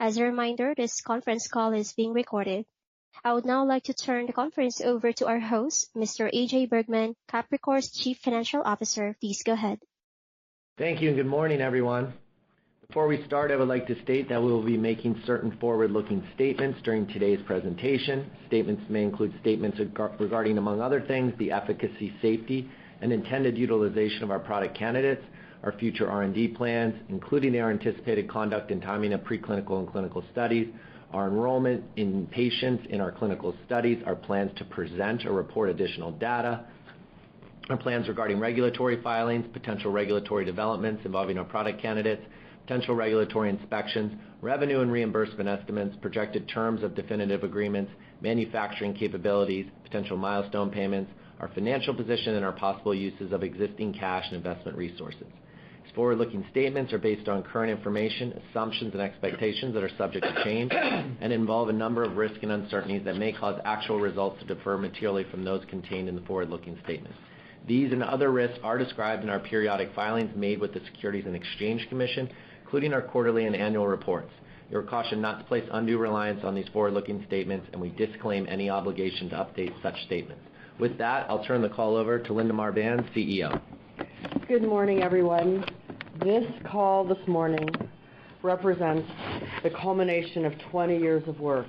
As a reminder, this conference call is being recorded. I would now like to turn the conference over to our host, Mr. AJ Bergmann, Capricor's Chief Financial Officer. Please go ahead. Thank you, and good morning, everyone. Before we start, I would like to state that we will be making certain forward-looking statements during today's presentation. Statements may include statements regarding, among other things, the efficacy, safety, and intended utilization of our product candidates, our future R&D plans, including our anticipated conduct and timing of preclinical and clinical studies, our enrollment in patients in our clinical studies, our plans to present or report additional data, our plans regarding regulatory filings, potential regulatory developments involving our product candidates, potential regulatory inspections, revenue and reimbursement estimates, projected terms of definitive agreements, manufacturing capabilities, potential milestone payments, our financial position, and our possible uses of existing cash and investment resources. These forward-looking statements are based on current information, assumptions, and expectations that are subject to change and involve a number of risks and uncertainties that may cause actual results to differ materially from those contained in the forward-looking statements. These and other risks are described in our periodic filings made with the Securities and Exchange Commission, including our quarterly and annual reports. You're cautioned not to place undue reliance on these forward-looking statements, and we disclaim any obligation to update such statements. With that, I'll turn the call over to Linda Marban, CEO. Good morning, everyone. This call this morning represents the culmination of 20 years of work.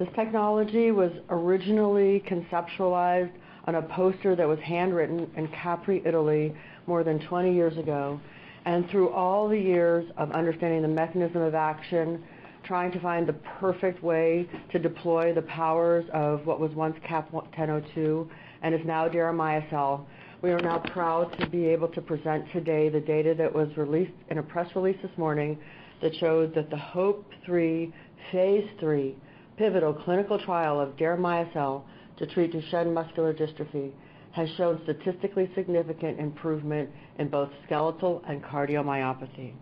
This technology was originally conceptualized on a poster that was handwritten in Capri, Italy, more than 20 years ago, and through all the years of understanding the mechanism of action, trying to find the perfect way to deploy the powers of what was once CAP-1002 and is now deramiocel, we are now proud to be able to present today the data that was released in a press release this morning that showed that the HOPE-3 phase III pivotal clinical trial of deramiocel to treat Duchenne muscular dystrophy has shown statistically significant improvement in both skeletal and cardiomyopathy.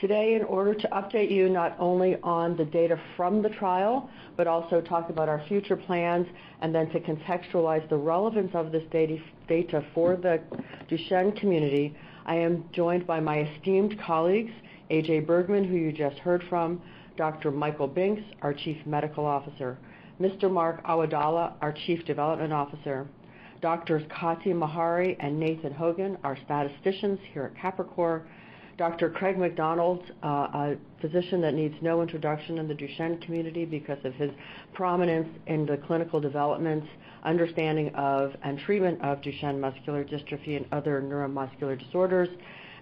Today, in order to update you not only on the data from the trial, but also talk about our future plans, and then to contextualize the relevance of this data for the Duchenne community, I am joined by my esteemed colleagues, AJ Bergmann, who you just heard from, Dr. Michael Binks, our Chief Medical Officer, Mr. Mark Awadallah, our Chief Development Officer, Doctors Kati Meghdari and Nathan Hogan, our statisticians here at Capricor, Dr. Craig McDonald, a physician that needs no introduction in the Duchenne community because of his prominence in the clinical developments, understanding of, and treatment of Duchenne muscular dystrophy and other neuromuscular disorders,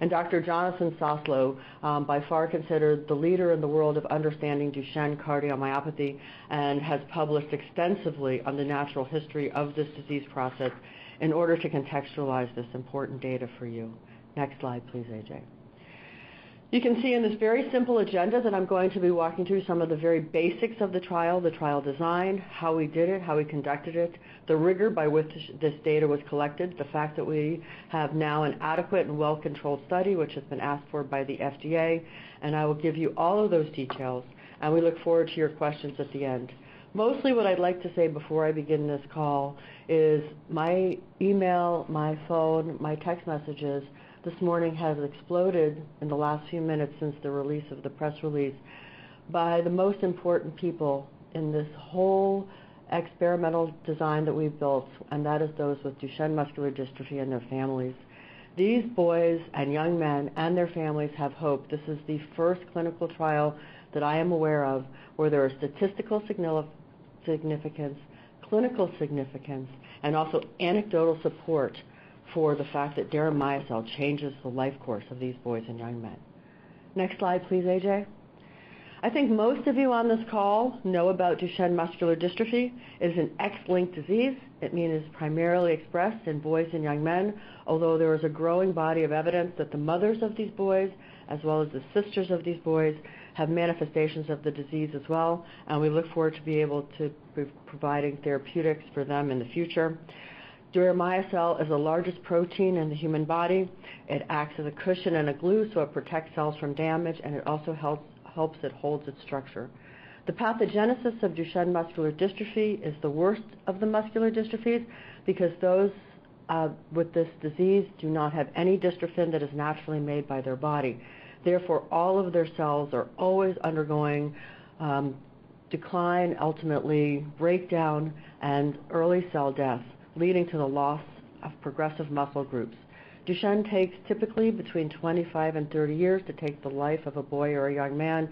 and Dr. Jonathan Soslow, by far considered the leader in the world of understanding Duchenne cardiomyopathy and has published extensively on the natural history of this disease process in order to contextualize this important data for you. Next slide, please, AJ. You can see in this very simple agenda that I'm going to be walking through some of the very basics of the trial, the trial design, how we did it, how we conducted it, the rigor by which this data was collected, the fact that we have now an adequate and well-controlled study, which has been asked for by the FDA, and I will give you all of those details, and we look forward to your questions at the end. Mostly, what I'd like to say before I begin this call is my email, my phone, my text messages this morning have exploded in the last few minutes since the release of the press release by the most important people in this whole experimental design that we've built, and that is those with Duchenne muscular dystrophy and their families. These boys and young men and their families have hope. This is the first clinical trial that I am aware of where there are statistical significance, clinical significance, and also anecdotal support for the fact that deramiocel changes the life course of these boys and young men. Next slide, please, AJ. I think most of you on this call know about Duchenne muscular dystrophy. It is an X-linked disease. It means it is primarily expressed in boys and young men, although there is a growing body of evidence that the mothers of these boys, as well as the sisters of these boys, have manifestations of the disease as well, and we look forward to being able to provide therapeutics for them in the future. Titin is the largest protein in the human body. It acts as a cushion and a glue so it protects cells from damage, and it also helps it hold its structure. The pathogenesis of Duchenne muscular dystrophy is the worst of the muscular dystrophies because those with this disease do not have any dystrophin that is naturally made by their body. Therefore, all of their cells are always undergoing decline, ultimately breakdown, and early cell death, leading to the loss of progressive muscle groups. Duchenne takes typically between 25 and 30 years to take the life of a boy or a young man,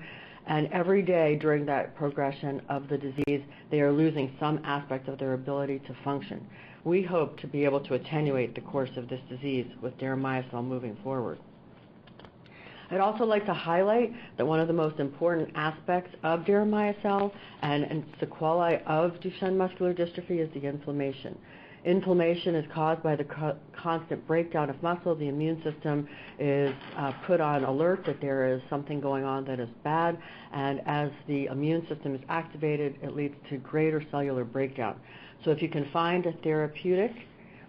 and every day during that progression of the disease, they are losing some aspect of their ability to function. We hope to be able to attenuate the course of this disease with deramiocel moving forward. I'd also like to highlight that one of the most important aspects of deramiocel and the quality of Duchenne muscular dystrophy is the inflammation. Inflammation is caused by the constant breakdown of muscle. The immune system is put on alert that there is something going on that is bad, and as the immune system is activated, it leads to greater cellular breakdown. So if you can find a therapeutic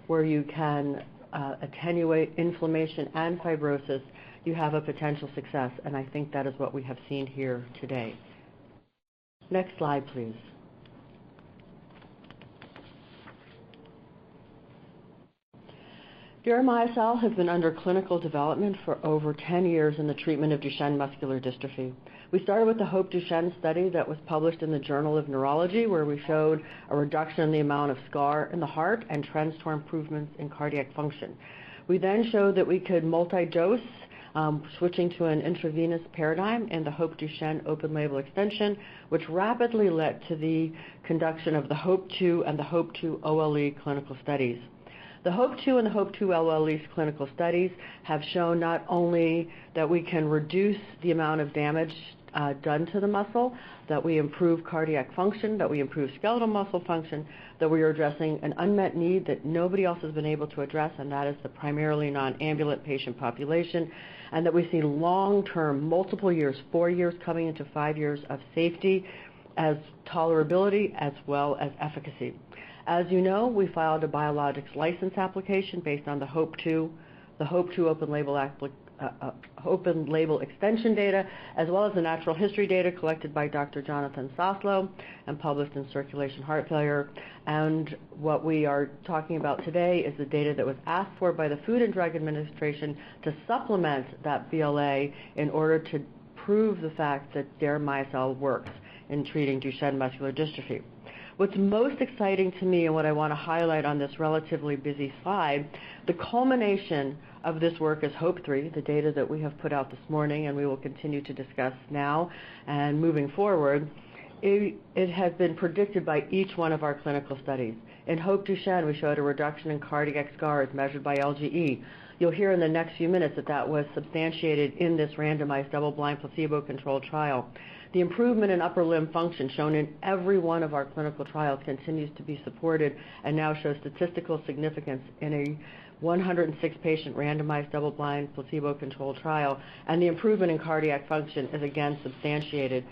where you can attenuate inflammation and fibrosis, you have a potential success, and I think that is what we have seen here today. Next slide, please. Deramiocel has been under clinical development for over 10 years in the treatment of Duchenne muscular dystrophy. We started with the HOPE-Duchenne study that was published in the Journal of Neurology, where we showed a reduction in the amount of scar in the heart and trends toward improvements in cardiac function. We then showed that we could multi-dose, switching to an intravenous paradigm in the HOPE-Duchenne open-label extension, which rapidly led to the conduct of the HOPE-2 and the HOPE-2 OLE clinical studies. The HOPE-2 and the HOPE-2 OLE clinical studies have shown not only that we can reduce the amount of damage done to the muscle, that we improve cardiac function, that we improve skeletal muscle function, that we are addressing an unmet need that nobody else has been able to address, and that is the primarily non-ambulant patient population, and that we see long-term, multiple years, four years coming into five years of safety and tolerability as well as efficacy. As you know, we filed a biologics license application based on the HOPE-2, the HOPE-2 open-label extension data, as well as the natural history data collected by Dr. Jonathan Soslow and published in Circulation Heart Failure. What we are talking about today is the data that was asked for by the Food and Drug Administration to supplement that BLA in order to prove the fact that deramiocel works in treating Duchenne muscular dystrophy. What's most exciting to me and what I want to highlight on this relatively busy slide, the culmination of this work is HOPE-3, the data that we have put out this morning and we will continue to discuss now and moving forward. It has been predicted by each one of our clinical studies. In HOPE-Duchenne, we showed a reduction in cardiac scars measured by LGE. You'll hear in the next few minutes that that was substantiated in this randomized double-blind placebo-controlled trial. The improvement in upper limb function shown in every one of our clinical trials continues to be supported and now shows statistical significance in a 106-patient randomized double-blind placebo-controlled trial, and the improvement in cardiac function is again substantiated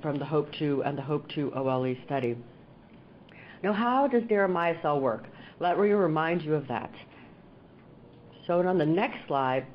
from the HOPE-2 and the HOPE-2 OLE study. Now, how does deramiocel work? Let me remind you of that. Shown on the next slide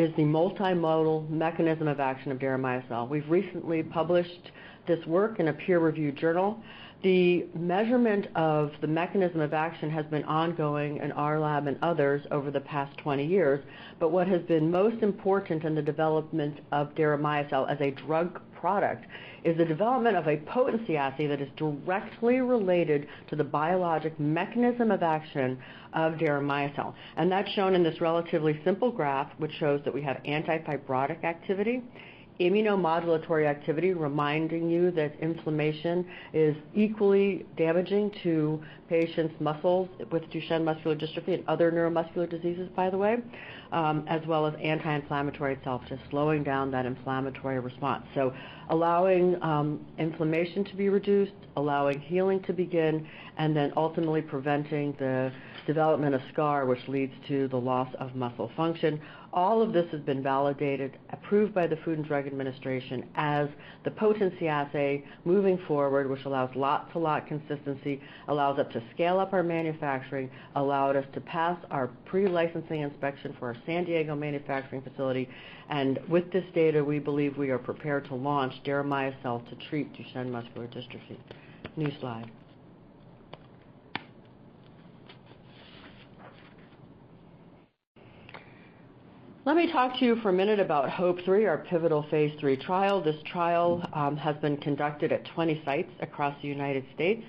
is the multimodal mechanism of action of deramiocel. We've recently published this work in a peer-reviewed journal. The measurement of the mechanism of action has been ongoing in our lab and others over the past 20 years, but what has been most important in the development of deramiocel as a drug product is the development of a potency assay that is directly related to the biologic mechanism of action of deramiocel. And that's shown in this relatively simple graph, which shows that we have anti-fibrotic activity, immunomodulatory activity, reminding you that inflammation is equally damaging to patients' muscles with Duchenne muscular dystrophy and other neuromuscular diseases, by the way, as well as anti-inflammatory itself, just slowing down that inflammatory response, allowing inflammation to be reduced, allowing healing to begin, and then ultimately preventing the development of scar, which leads to the loss of muscle function. All of this has been validated, approved by the Food and Drug Administration as the potency assay moving forward, which allows lot-to-lot consistency, allows us to scale up our manufacturing, allowed us to pass our pre-licensing inspection for our San Diego manufacturing facility, and with this data, we believe we are prepared to launch deramiocel to treat Duchenne muscular dystrophy. New slide. Let me talk to you for a minute about HOPE-3, our pivotal phase III trial. This trial has been conducted at 20 sites across the United States.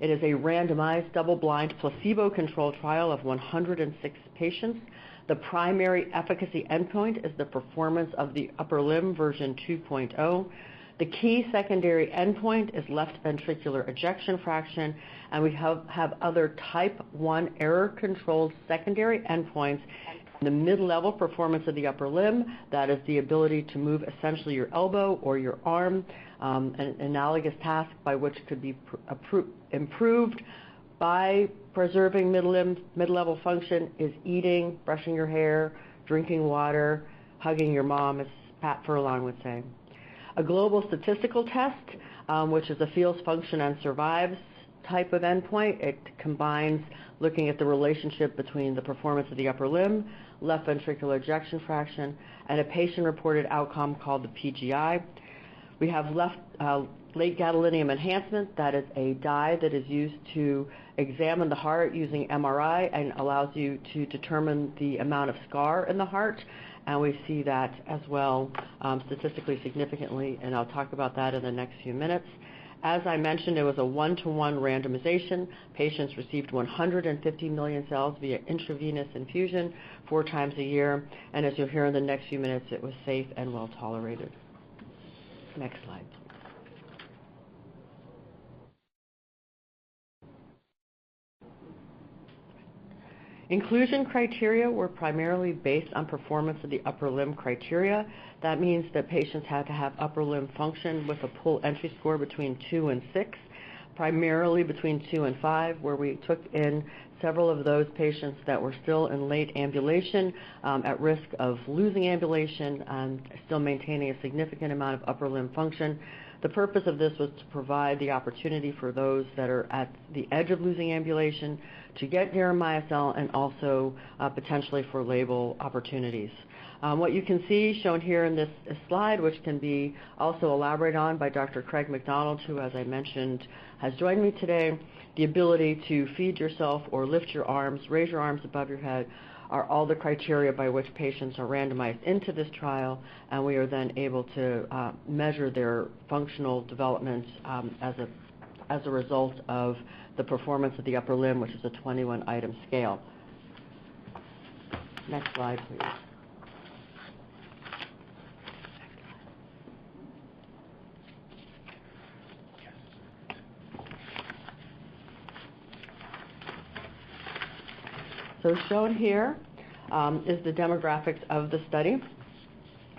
It is a randomized double-blind placebo-controlled trial of 106 patients. The primary efficacy endpoint is the Performance of the Upper Limb version 2.0. The key secondary endpoint is left ventricular ejection fraction, and we have other Type I error-controlled secondary endpoints in the mid-level Performance of the Upper Limb. That is the ability to move essentially your elbow or your arm. An analogous task by which it could be improved by preserving mid-level function is eating, brushing your hair, drinking water, hugging your mom, as Pat Furlong would say. A global statistical test, which is a full function and survival type of endpoint, it combines looking at the relationship between the Performance of the Upper Limb, left ventricular ejection fraction, and a patient-reported outcome called the PGI. We had late gadolinium enhancement. That is a dye that is used to examine the heart using MRI and allows you to determine the amount of scar in the heart, and we see that as well statistically significantly, and I'll talk about that in the next few minutes. As I mentioned, it was a one-to-one randomization. Patients received 150 million cells via intravenous infusion four times a year, and as you'll hear in the next few minutes, it was safe and well tolerated. Next slide. Inclusion criteria were primarily based on Performance of the Upper Limbcriteria. That means that patients had to have upper limb function with a PUL entry score between 2 and 6, primarily between 2 and 5, where we took in several of those patients that were still in late ambulation, at risk of losing ambulation and still maintaining a significant amount of upper limb function. The purpose of this was to provide the opportunity for those that are at the edge of losing ambulation to get deramiocel and also potentially for label opportunities. What you can see shown here in this slide, which can be also elaborated on by Dr. Craig McDonald, who, as I mentioned, has joined me today, the ability to feed yourself or lift your arms, raise your arms above your head are all the criteria by which patients are randomized into this trial, and we are then able to measure their functional development as a result of the Performance of the Upper Limb, which is a 21-item scale. Next slide, please. So shown here is the demographics of the study.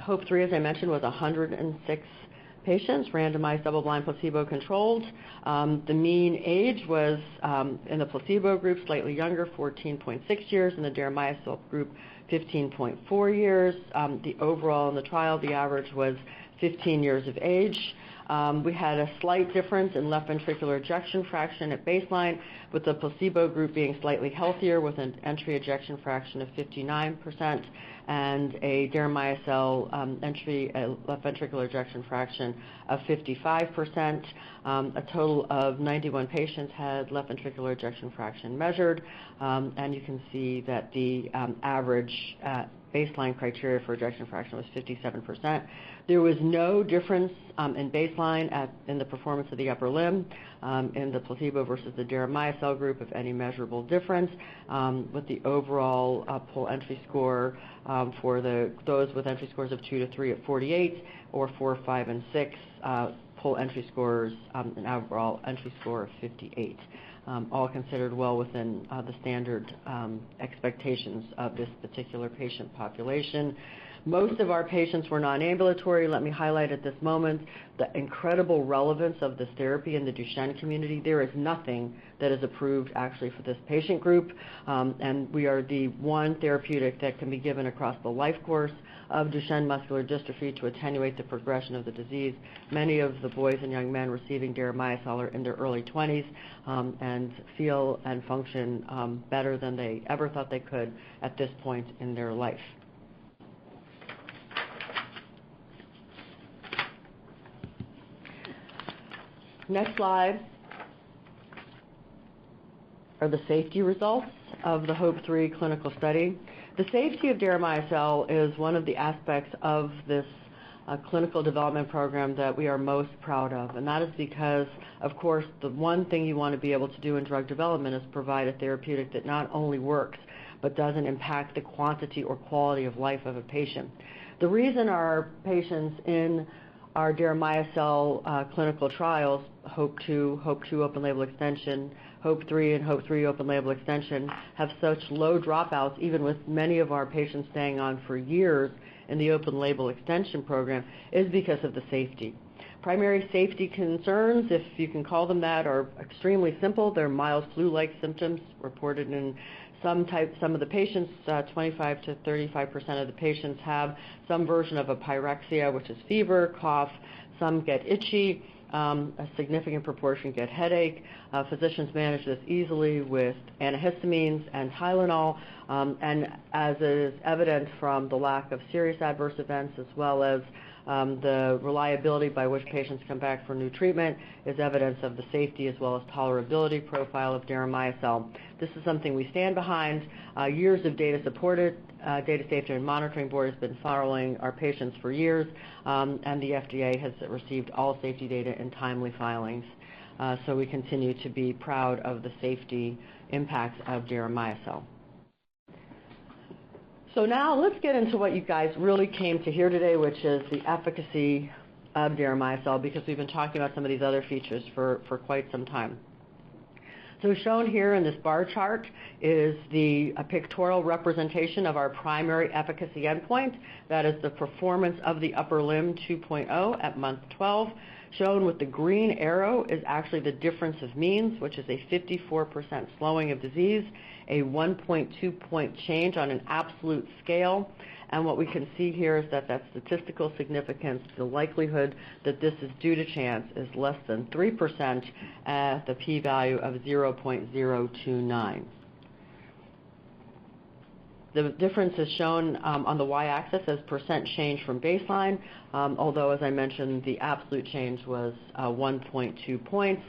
HOPE-3, as I mentioned, was 106 patients randomized double-blind placebo-controlled. The mean age was in the placebo group slightly younger, 14.6 years, and the deramiocel group 15.4 years. The overall in the trial, the average was 15 years of age. We had a slight difference in left ventricular ejection fraction at baseline, with the placebo group being slightly healthier, with an entry ejection fraction of 59% and a deramiocel entry left ventricular ejection fraction of 55%. A total of 91 patients had left ventricular ejection fraction measured, and you can see that the average baseline criteria for ejection fraction was 57%. There was no difference in baseline in the Performance of the Upper Limb in the placebo versus the deramiocel group of any measurable difference, with the overall PUL entry score for those with entry scores of 2 to 3 at 48 or 4, 5, and 6 PUL entry scores, an overall entry score of 58, all considered well within the standard expectations of this particular patient population. Most of our patients were non-ambulatory. Let me highlight at this moment the incredible relevance of this therapy in the Duchenne community. There is nothing that is approved actually for this patient group, and we are the one therapeutic that can be given across the life course of Duchenne muscular dystrophy to attenuate the progression of the disease. Many of the boys and young men receiving deramiocel are in their early 20s and feel and function better than they ever thought they could at this point in their life. Next slide are the safety results of the HOPE-3 clinical study. The safety of deramiocel is one of the aspects of this clinical development program that we are most proud of, and that is because, of course, the one thing you want to be able to do in drug development is provide a therapeutic that not only works but doesn't impact the quantity or quality of life of a patient. The reason our patients in our deramiocel clinical trials, HOPE-2, HOPE-2 open-label extension, HOPE-3, and HOPE-3 open-label extension, have such low dropouts, even with many of our patients staying on for years in the open-label extension program, is because of the safety. Primary safety concerns, if you can call them that, are extremely simple. They're mild flu-like symptoms reported in some of the patients. 25%-35% of the patients have some version of a pyrexia, which is fever, cough. Some get itchy. A significant proportion get headache. Physicians manage this easily with antihistamines and Tylenol, and as is evident from the lack of serious adverse events as well as the reliability by which patients come back for new treatment, is evidence of the safety as well as tolerability profile of deramiocel. This is something we stand behind. Years of data supported. Data Safety and Monitoring Board has been following our patients for years, and the FDA has received all safety data in timely filings. So we continue to be proud of the safety impacts of deramiocel. So now let's get into what you guys really came to hear today, which is the efficacy of deramiocel, because we've been talking about some of these other features for quite some time. Shown here in this bar chart is the pictorial representation of our primary efficacy endpoint. That is the Performance of the Upper Limb 2.0 at month 12. Shown with the green arrow is actually the difference of means, which is a 54% slowing of disease, a 1.2-point change on an absolute scale. And what we can see here is that that statistical significance, the likelihood that this is due to chance, is less than 3% at the p-value of 0.029. The difference is shown on the y-axis as percent change from baseline, although, as I mentioned, the absolute change was 1.2 points.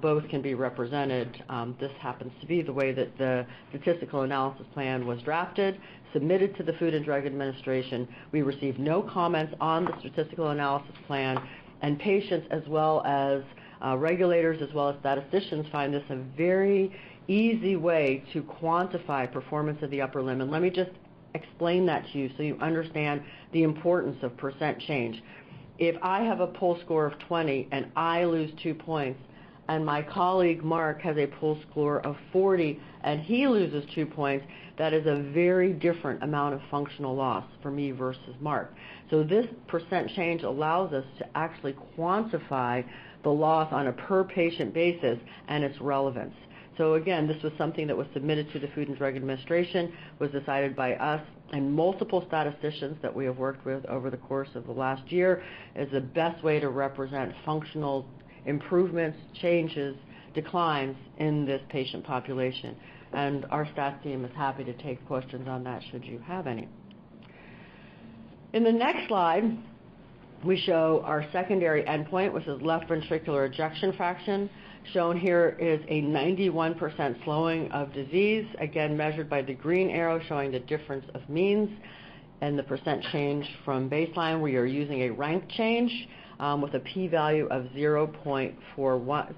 Both can be represented. This happens to be the way that the statistical analysis plan was drafted, submitted to the Food and Drug Administration. We received no comments on the statistical analysis plan, and patients as well as regulators as well as statisticians find this a very easy way to quantify Performance of the Upper Limb, and let me just explain that to you so you understand the importance of percent change. If I have a PUL score of 20 and I lose two points, and my colleague Mark has a PUL score of 40 and he loses two points, that is a very different amount of functional loss for me versus Mark, so this percent change allows us to actually quantify the loss on a per-patient basis and its relevance. Again, this was something that was submitted to the Food and Drug Administration, was decided by us, and multiple statisticians that we have worked with over the course of the last year is the best way to represent functional improvements, changes, declines in this patient population. Our staff team is happy to take questions on that should you have any. In the next slide, we show our secondary endpoint, which is left ventricular ejection fraction. Shown here is a 91% slowing of disease, again measured by the green arrow showing the difference of means and the percent change from baseline. We are using a rank change with a p-value of 0.041.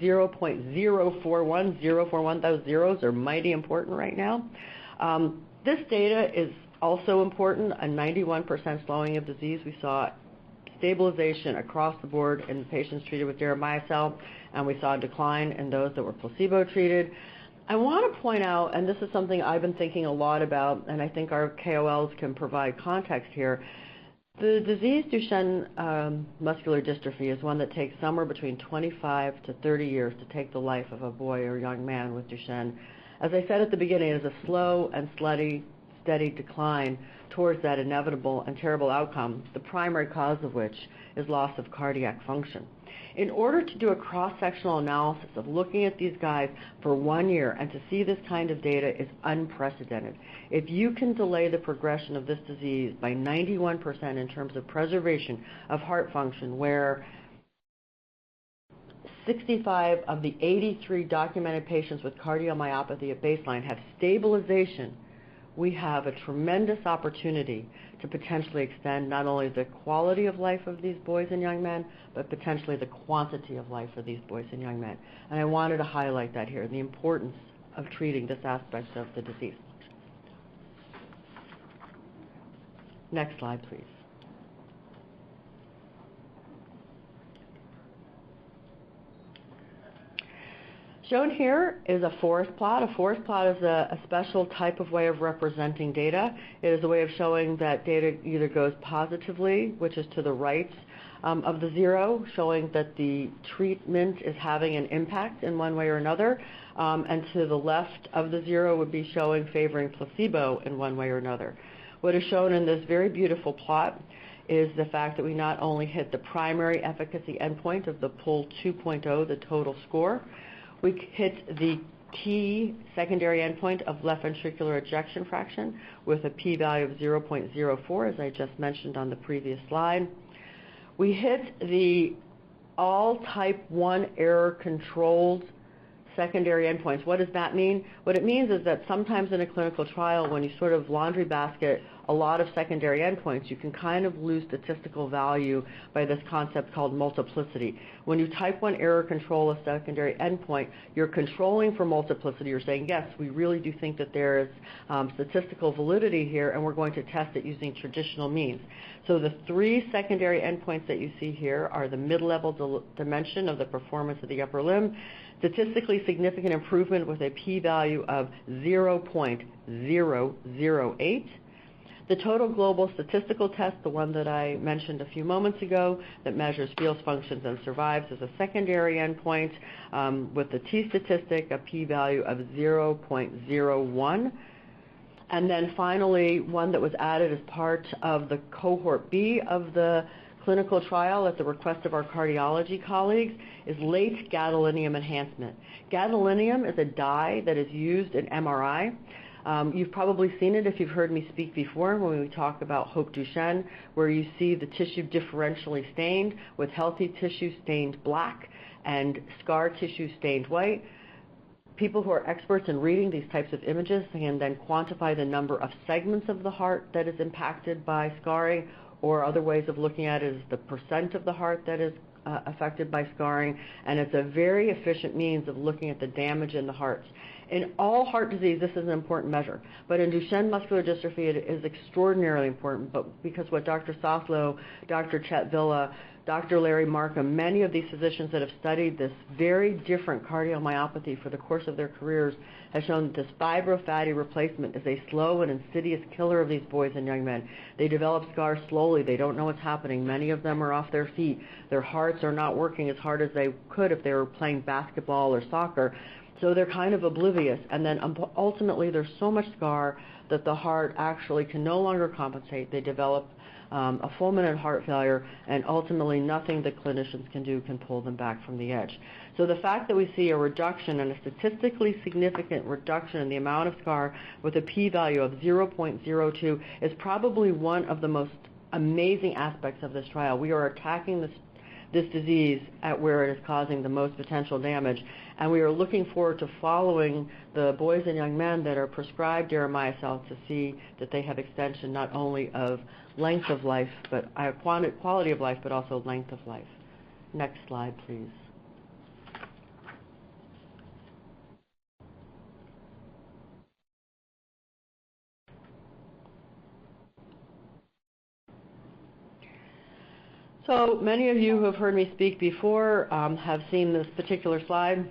0.041, those zeros are mighty important right now. This data is also important. A 91% slowing of disease. We saw stabilization across the board in patients treated with deramiocel, and we saw a decline in those that were placebo-treated. I want to point out, and this is something I've been thinking a lot about, and I think our KOLs can provide context here. The disease Duchenne muscular dystrophy is one that takes somewhere between 25-30 years to take the life of a boy or young man with Duchenne. As I said at the beginning, it is a slow and steady, steady decline towards that inevitable and terrible outcome, the primary cause of which is loss of cardiac function. In order to do a cross-sectional analysis of looking at these guys for one year and to see this kind of data is unprecedented. If you can delay the progression of this disease by 91% in terms of preservation of heart function, where 65 of the 83 documented patients with cardiomyopathy at baseline have stabilization, we have a tremendous opportunity to potentially extend not only the quality of life of these boys and young men, but potentially the quantity of life for these boys and young men, and I wanted to highlight that here, the importance of treating this aspect of the disease. Next slide, please. Shown here is a forest plot. A forest plot is a special type of way of representing data. It is a way of showing that data either goes positively, which is to the right of the zero, showing that the treatment is having an impact in one way or another, and to the left of the zero would be showing favoring placebo in one way or another. What is shown in this very beautiful plot is the fact that we not only hit the primary efficacy endpoint of the PUL 2.0, the total score, we hit the key secondary endpoint of left ventricular ejection fraction with a P-value of 0.04, as I just mentioned on the previous slide. We hit all the Type 1 error controlled secondary endpoints. What does that mean? What it means is that sometimes in a clinical trial, when you sort of laundry list a lot of secondary endpoints, you can kind of lose statistical value by this concept called multiplicity. When you Type 1 error control a secondary endpoint, you're controlling for multiplicity. You're saying, "Yes, we really do think that there is statistical validity here, and we're going to test it using traditional means." So the three secondary endpoints that you see here are the mid-level dimension of the Performance of the Upper Limb, statistically significant improvement with a p-value of 0.008. The total global statistical test, the one that I mentioned a few moments ago that measures feels, functions, and survives as a secondary endpoint with the t-statistic, a p-value of 0.01. And then finally, one that was added as part of the cohort B of the clinical trial at the request of our cardiology colleagues is late gadolinium enhancement. Gadolinium is a dye that is used in MRI. You've probably seen it if you've heard me speak before when we talk about HOPE-2, then where you see the tissue differentially stained with healthy tissue stained black and scar tissue stained white. People who are experts in reading these types of images can then quantify the number of segments of the heart that is impacted by scarring, or other ways of looking at it is the percent of the heart that is affected by scarring, and it's a very efficient means of looking at the damage in the heart. In all heart disease, this is an important measure, but in Duchenne muscular dystrophy, it is extraordinarily important, but because what Dr. Soslow, Dr. Chet Villa, Dr. Larry Markham, many of these physicians that have studied this very different cardiomyopathy for the course of their careers have shown that this fibrofatty replacement is a slow and insidious killer of these boys and young men. They develop scars slowly. They don't know what's happening. Many of them are off their feet. Their hearts are not working as hard as they could if they were playing basketball or soccer. So they're kind of oblivious. And then ultimately, there's so much scar that the heart actually can no longer compensate. They develop a fulminant heart failure, and ultimately nothing the clinicians can do can pull them back from the edge. So the fact that we see a reduction and a statistically significant reduction in the amount of scar with a p-value of 0.02 is probably one of the most amazing aspects of this trial. We are attacking this disease at where it is causing the most potential damage, and we are looking forward to following the boys and young men that are prescribed deramiocel to see that they have extension not only of length of life, but quality of life, but also length of life. Next slide, please. So many of you who have heard me speak before have seen this particular slide.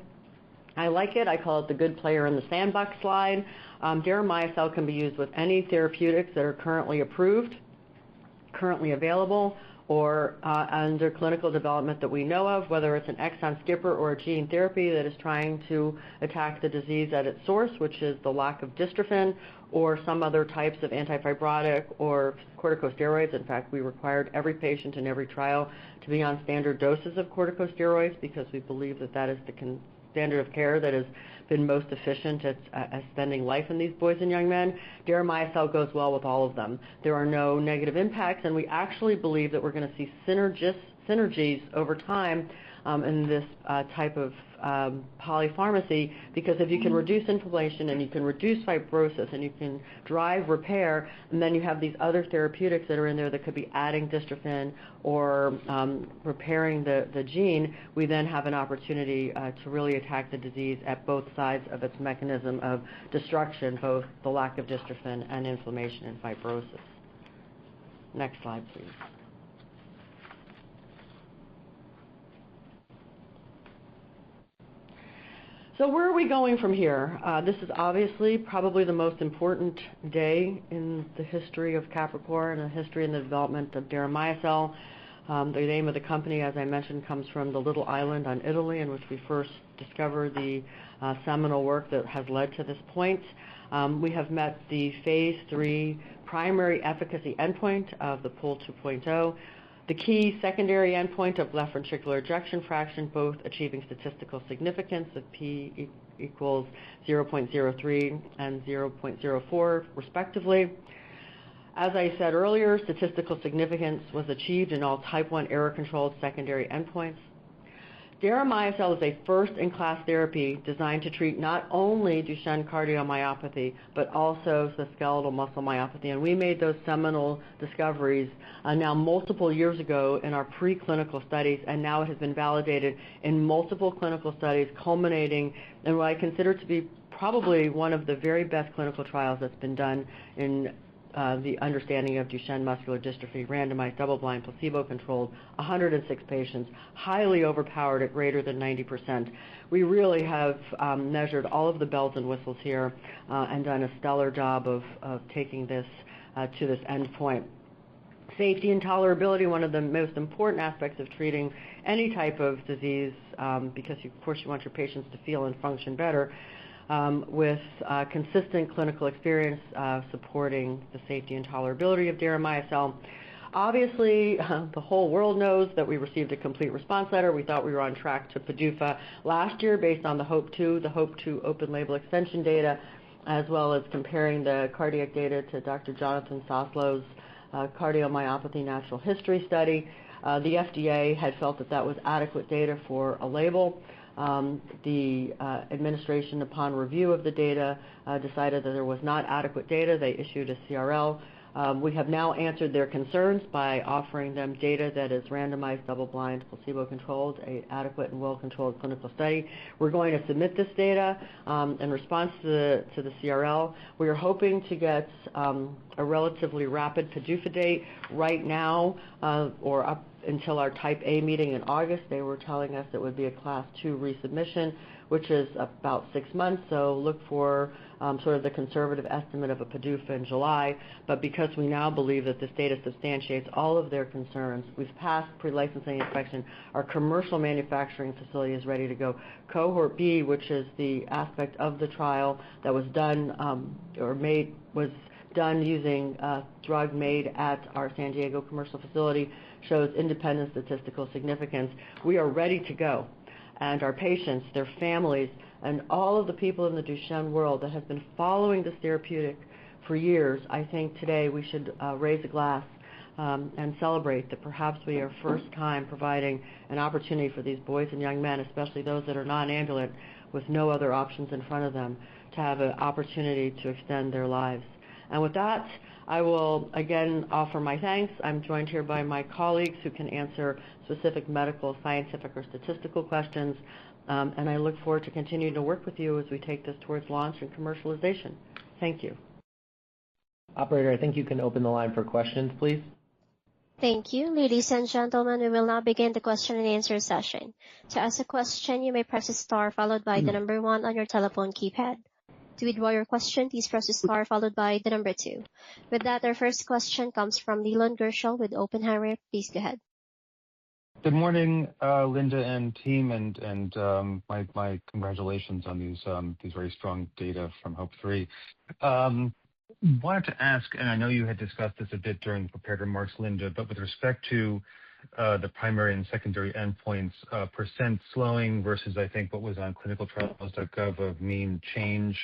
I like it. I call it the good player in the sandbox slide. Deramiocel can be used with any therapeutics that are currently approved, currently available, or under clinical development that we know of, whether it's an exon skipping or a gene therapy that is trying to attack the disease at its source, which is the lack of dystrophin, or some other types of antifibrotic or corticosteroids. In fact, we required every patient in every trial to be on standard doses of corticosteroids because we believe that that is the standard of care that has been most efficient at spending life in these boys and young men. Deramiocel goes well with all of them. There are no negative impacts, and we actually believe that we're going to see synergies over time in this type of polypharmacy because if you can reduce inflammation and you can reduce fibrosis and you can drive repair, and then you have these other therapeutics that are in there that could be adding dystrophin or repairing the gene, we then have an opportunity to really attack the disease at both sides of its mechanism of destruction, both the lack of dystrophin and inflammation and fibrosis. Next slide, please. So where are we going from here? This is obviously probably the most important day in the history of Capricor and the development of deramiocel. The name of the company, as I mentioned, comes from the little island on Italy in which we first discovered the seminal work that has led to this point. We have met the phase three primary efficacy endpoint of the PUL 2.0, the key secondary endpoint of left ventricular ejection fraction, both achieving statistical significance of p equals 0.03 and 0.04 respectively. As I said earlier, statistical significance was achieved in all Type 1 error controlled secondary endpoints. deramiocel is a first-in-class therapy designed to treat not only Duchenne cardiomyopathy but also the skeletal muscle myopathy. We made those seminal discoveries now multiple years ago in our preclinical studies, and now it has been validated in multiple clinical studies culminating in what I consider to be probably one of the very best clinical trials that's been done in the understanding of Duchenne muscular dystrophy, randomized, double-blind, placebo-controlled, 106 patients, highly overpowered at greater than 90%. We really have measured all of the bells and whistles here and done a stellar job of taking this to this endpoint. Safety and tolerability, one of the most important aspects of treating any type of disease because, of course, you want your patients to feel and function better with consistent clinical experience supporting the safety and tolerability of deramiocel. Obviously, the whole world knows that we received a Complete Response Letter. We thought we were on track to PDUFA last year based on the HOPE-2, the HOPE-2 open label extension data, as well as comparing the cardiac data to Dr. Jonathan Soslow's cardiomyopathy natural history study. The FDA had felt that that was adequate data for a label. The administration, upon review of the data, decided that there was not adequate data. They issued a CRL. We have now answered their concerns by offering them data that is randomized, double-blind, placebo-controlled, adequate and well-controlled clinical study. We're going to submit this data in response to the CRL. We are hoping to get a relatively rapid PDUFA date right now or up until our Type A meeting in August. They were telling us it would be a Class 2 resubmission, which is about six months, so look for sort of the conservative estimate of a PDUFA in July. But because we now believe that this data substantiates all of their concerns, we've passed pre-license inspection. Our commercial manufacturing facility is ready to go. Cohort B, which is the aspect of the trial that was done using a drug made at our San Diego commercial facility, shows independent statistical significance. We are ready to go, and our patients, their families, and all of the people in the Duchenne world that have been following this therapeutic for years, I think today we should raise a glass and celebrate that perhaps we are first time providing an opportunity for these boys and young men, especially those that are non-ambulant with no other options in front of them, to have an opportunity to extend their lives. And with that, I will again offer my thanks. I'm joined here by my colleagues who can answer specific medical, scientific, or statistical questions, and I look forward to continuing to work with you as we take this towards launch and commercialization. Thank you. Operator, I think you can open the line for questions, please. Thank you. Ladies and gentlemen, we will now begin the question and answer session. To ask a question, you may press the star followed by the number one on your telephone keypad. To withdraw your question, please press the star followed by the number two. With that, our first question comes from Leland Gershell with Oppenheimer. Please go ahead. Good morning, Linda and team, and my congratulations on these very strong data from HOPE-3. I wanted to ask, and I know you had discussed this a bit during prepared remarks, Linda, but with respect to the primary and secondary endpoints, percent slowing versus I think what was on ClinicalTrials.gov of mean change,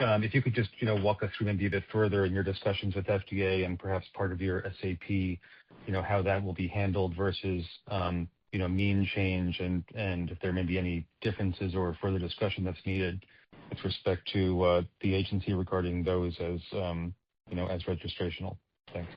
if you could just walk us through maybe a bit further in your discussions with FDA and perhaps part of your SAP, how that will be handled versus mean change and if there may be any differences or further discussion that's needed with respect to the agency regarding those as registrational. Thanks.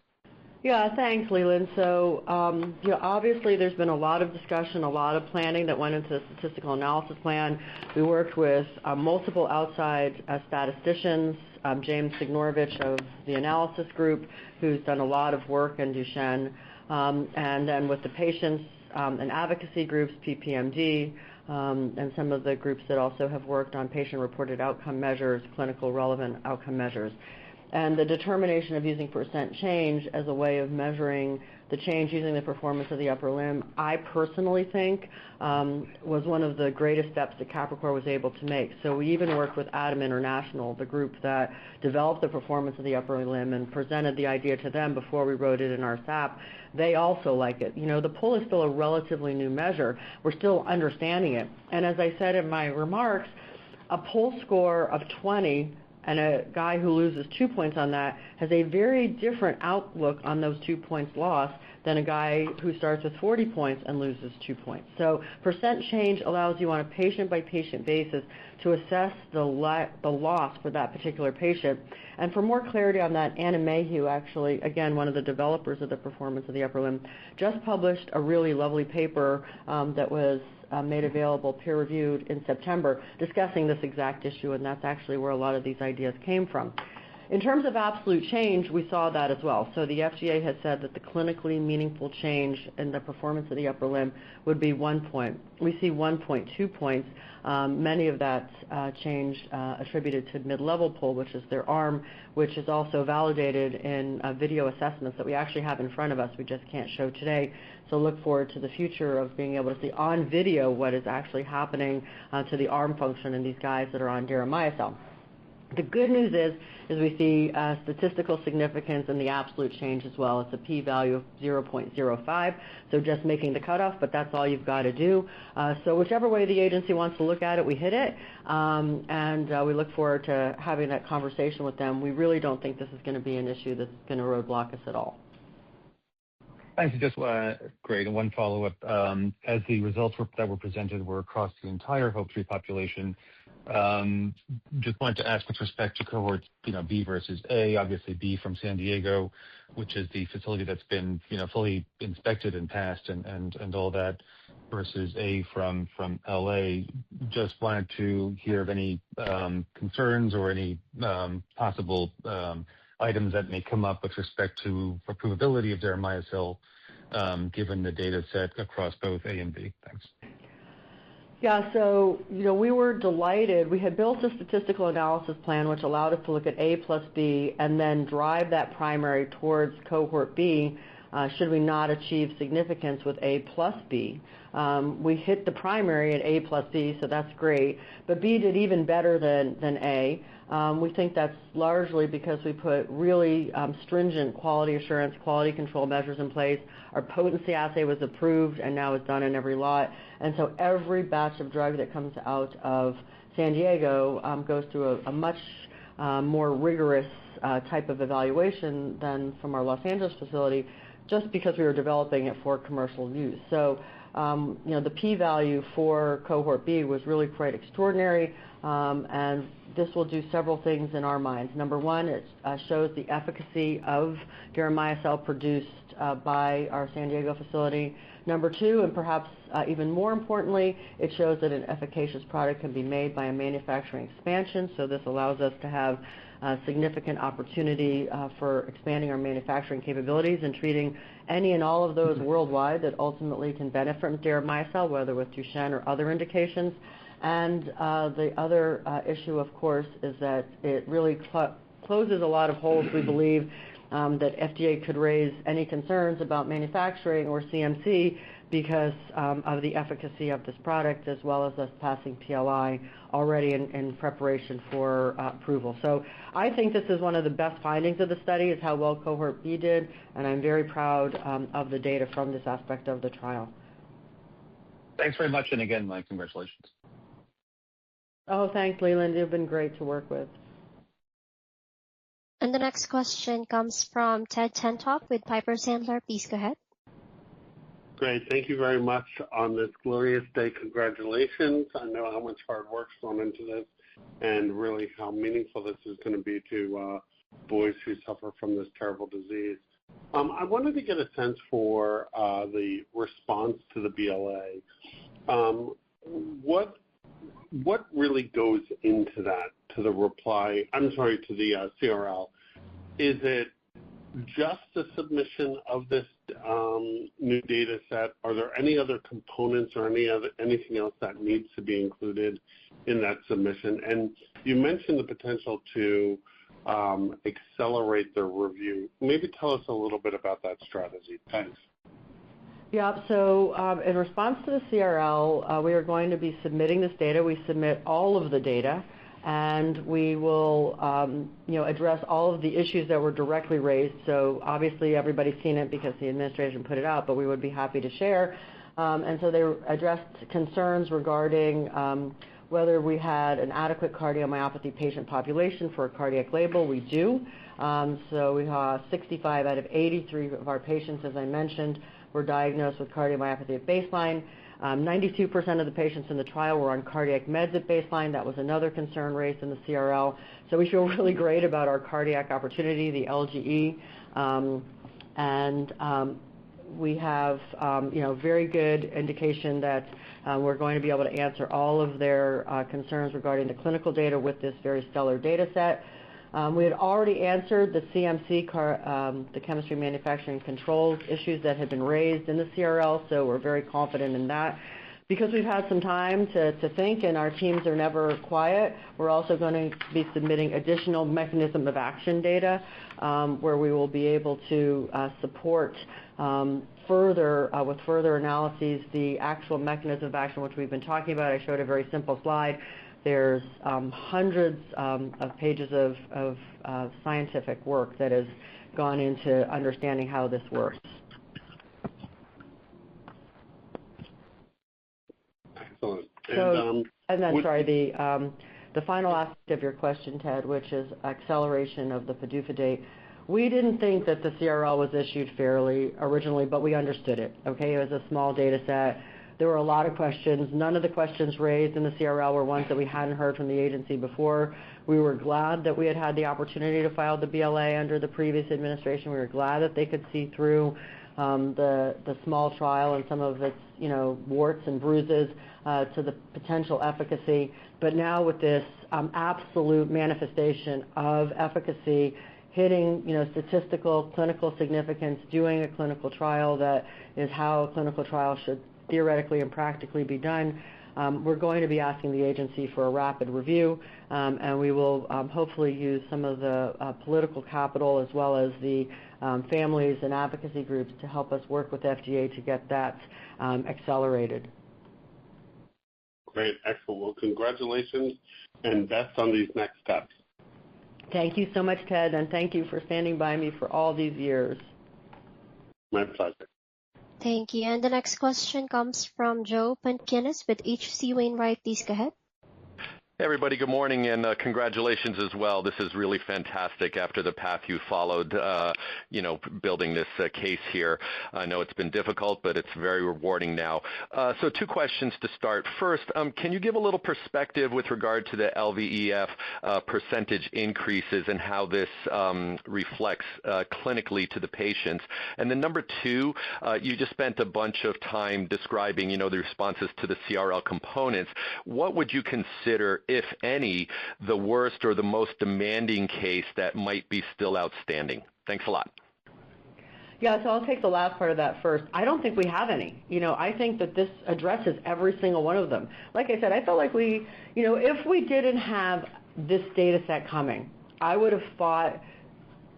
Yeah, thanks, Leland. So obviously, there's been a lot of discussion, a lot of planning that went into the statistical analysis plan. We worked with multiple outside statisticians, James Signorovitch of the Analysis Group, who's done a lot of work in Duchenne, and then with the patients and advocacy groups, PPMD, and some of the groups that also have worked on patient-reported outcome measures, clinically relevant outcome measures, and the determination of using percent change as a way of measuring the change using the Performance of the Upper Limb, I personally think, was one of the greatest steps that Capricor was able to make, so we even worked with an international, the group that developed the Performance of the Upper Limb and presented the idea to them before we wrote it in our SAP. They also like it. The PUL is still a relatively new measure. We're still understanding it. As I said in my remarks, a PUL score of 20 and a guy who loses two points on that has a very different outlook on those two points lost than a guy who starts with 40 points and loses two points. Percent change allows you on a patient-by-patient basis to assess the loss for that particular patient. For more clarity on that, Anna Mayhew, actually, again, one of the developers of the Performance of the Upper Limb, just published a really lovely paper that was made available, peer-reviewed in September, discussing this exact issue, and that's actually where a lot of these ideas came from. In terms of absolute change, we saw that as well. The FDA has said that the clinically meaningful change in the Performance of the Upper Limb would be one point. We see one point, two points. Many of that change attributed to mid-level PUL, which is their arm, which is also validated in video assessments that we actually have in front of us. We just can't show today. So look forward to the future of being able to see on video what is actually happening to the arm function in these guys that are on deramiocel. The good news is we see statistical significance in the absolute change as well. It's a P-value of 0.05, so just making the cutoff, but that's all you've got to do. So whichever way the agency wants to look at it, we hit it, and we look forward to having that conversation with them. We really don't think this is going to be an issue that's going to roadblock us at all. Thanks. Just one follow-up. As the results that were presented were across the entire HOPE-3 population, just wanted to ask with respect to cohort B versus A, obviously B from San Diego, which is the facility that's been fully inspected and passed and all that, versus A from LA. Just wanted to hear of any concerns or any possible items that may come up with respect to the probability of deramiocel given the data set across both A and B. Thanks. Yeah. So we were delighted. We had built a statistical analysis plan which allowed us to look at A plus B and then drive that primary towards cohort B. Should we not achieve significance with A plus B? We hit the primary at A plus B, so that's great. But B did even better than A. We think that's largely because we put really stringent quality assurance, quality control measures in place. Our potency assay was approved, and now it's done in every lot. And so every batch of drug that comes out of San Diego goes through a much more rigorous type of evaluation than from our Los Angeles facility just because we were developing it for commercial use. So the P-value for Cohort B was really quite extraordinary, and this will do several things in our minds. Number one, it shows the efficacy of deramiocel produced by our San Diego facility. Number two, and perhaps even more importantly, it shows that an efficacious product can be made by a manufacturing expansion. So this allows us to have significant opportunity for expanding our manufacturing capabilities and treating any and all of those worldwide that ultimately can benefit from deramiocel, whether with Duchenne or other indications. And the other issue, of course, is that it really closes a lot of holes. We believe that FDA could raise any concerns about manufacturing or CMC because of the efficacy of this product as well as us passing PLI already in preparation for approval. So I think this is one of the best findings of the study is how well cohort B did, and I'm very proud of the data from this aspect of the trial. Thanks very much, and again, my congratulations. Oh, thanks, Leland. You've been great to work with. And the next question comes from Ted Tenthoff with Piper Sandler. Please go ahead. Great. Thank you very much. On this glorious day, congratulations. I know how much hard work has gone into this and really how meaningful this is going to be to boys who suffer from this terrible disease. I wanted to get a sense for the response to the BLA. What really goes into that, to the reply, I'm sorry, to the CRL? Is it just the submission of this new data set? Are there any other components or anything else that needs to be included in that submission? And you mentioned the potential to accelerate the review. Maybe tell us a little bit about that strategy. Thanks. Yeah. So in response to the CRL, we are going to be submitting this data. We submit all of the data, and we will address all of the issues that were directly raised. So obviously, everybody's seen it because the administration put it out, but we would be happy to share. And so they addressed concerns regarding whether we had an adequate cardiomyopathy patient population for a cardiac label. We do. So we saw 65 out of 83 of our patients, as I mentioned, were diagnosed with cardiomyopathy at baseline. 92% of the patients in the trial were on cardiac meds at baseline. That was another concern raised in the CRL, so we feel really great about our cardiac opportunity, the LGE, and we have very good indication that we're going to be able to answer all of their concerns regarding the clinical data with this very stellar data set. We had already answered the CMC, the chemistry manufacturing controls issues that had been raised in the CRL, so we're very confident in that. Because we've had some time to think, and our teams are never quiet, we're also going to be submitting additional mechanism of action data where we will be able to support further with further analyses the actual mechanism of action, which we've been talking about. I showed a very simple slide. There's hundreds of pages of scientific work that has gone into understanding how this works. Excellent. And then, sorry, the final aspect of your question, Ted, which is acceleration of the PDUFA date. We didn't think that the CRL was issued fairly originally, but we understood it. Okay? It was a small data set. There were a lot of questions. None of the questions raised in the CRL were ones that we hadn't heard from the agency before. We were glad that we had had the opportunity to file the BLA under the previous administration. We were glad that they could see through the small trial and some of its warts and bruises to the potential efficacy. But now, with this absolute manifestation of efficacy hitting statistical clinical significance, doing a clinical trial that is how a clinical trial should theoretically and practically be done, we're going to be asking the agency for a rapid review, and we will hopefully use some of the political capital as well as the families and advocacy groups to help us work with FDA to get that accelerated. Great. Excellent. Well, congratulations and best on these next steps. Thank you so much, Ted, and thank you for standing by me for all these years. My pleasure. Thank you. And the next question comes from Joseph Pantginis with H.C. Wainwright. Please go ahead. Hey, everybody. Good morning and congratulations as well. This is really fantastic after the path you followed building this case here. I know it's been difficult, but it's very rewarding now. So two questions to start. First, can you give a little perspective with regard to the LVEF percentage increases and how this reflects clinically to the patients? And then number two, you just spent a bunch of time describing the responses to the CRL components. What would you consider, if any, the worst or the most demanding case that might be still outstanding? Thanks a lot. Yeah, so I'll take the last part of that first. I don't think we have any. I think that this addresses every single one of them. Like I said, I felt like if we didn't have this data set coming, I would have fought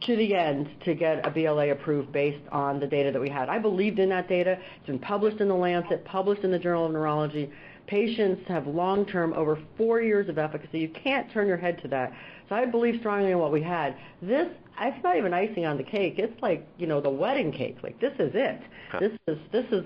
to the end to get a BLA approved based on the data that we had. I believed in that data. It's been published in The Lancet, published in the Journal of Neurology. Patients have long-term, over four years of efficacy. You can't turn your head to that. So I believe strongly in what we had. This is not even icing on the cake. It's like the wedding cake. This is it. This is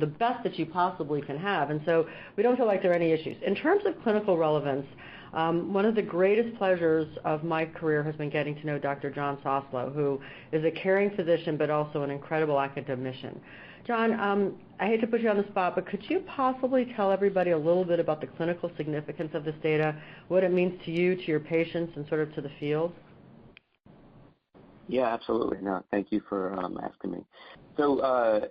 the best that you possibly can have. And so we don't feel like there are any issues. In terms of clinical relevance, one of the greatest pleasures of my career has been getting to know Dr. Jonathan Soslow, who is a caring physician but also an incredible academician. John, I hate to put you on the spot, but could you possibly tell everybody a little bit about the clinical significance of this data, what it means to you, to your patients, and sort of to the field? Yeah. Absolutely. Thank you for asking me. So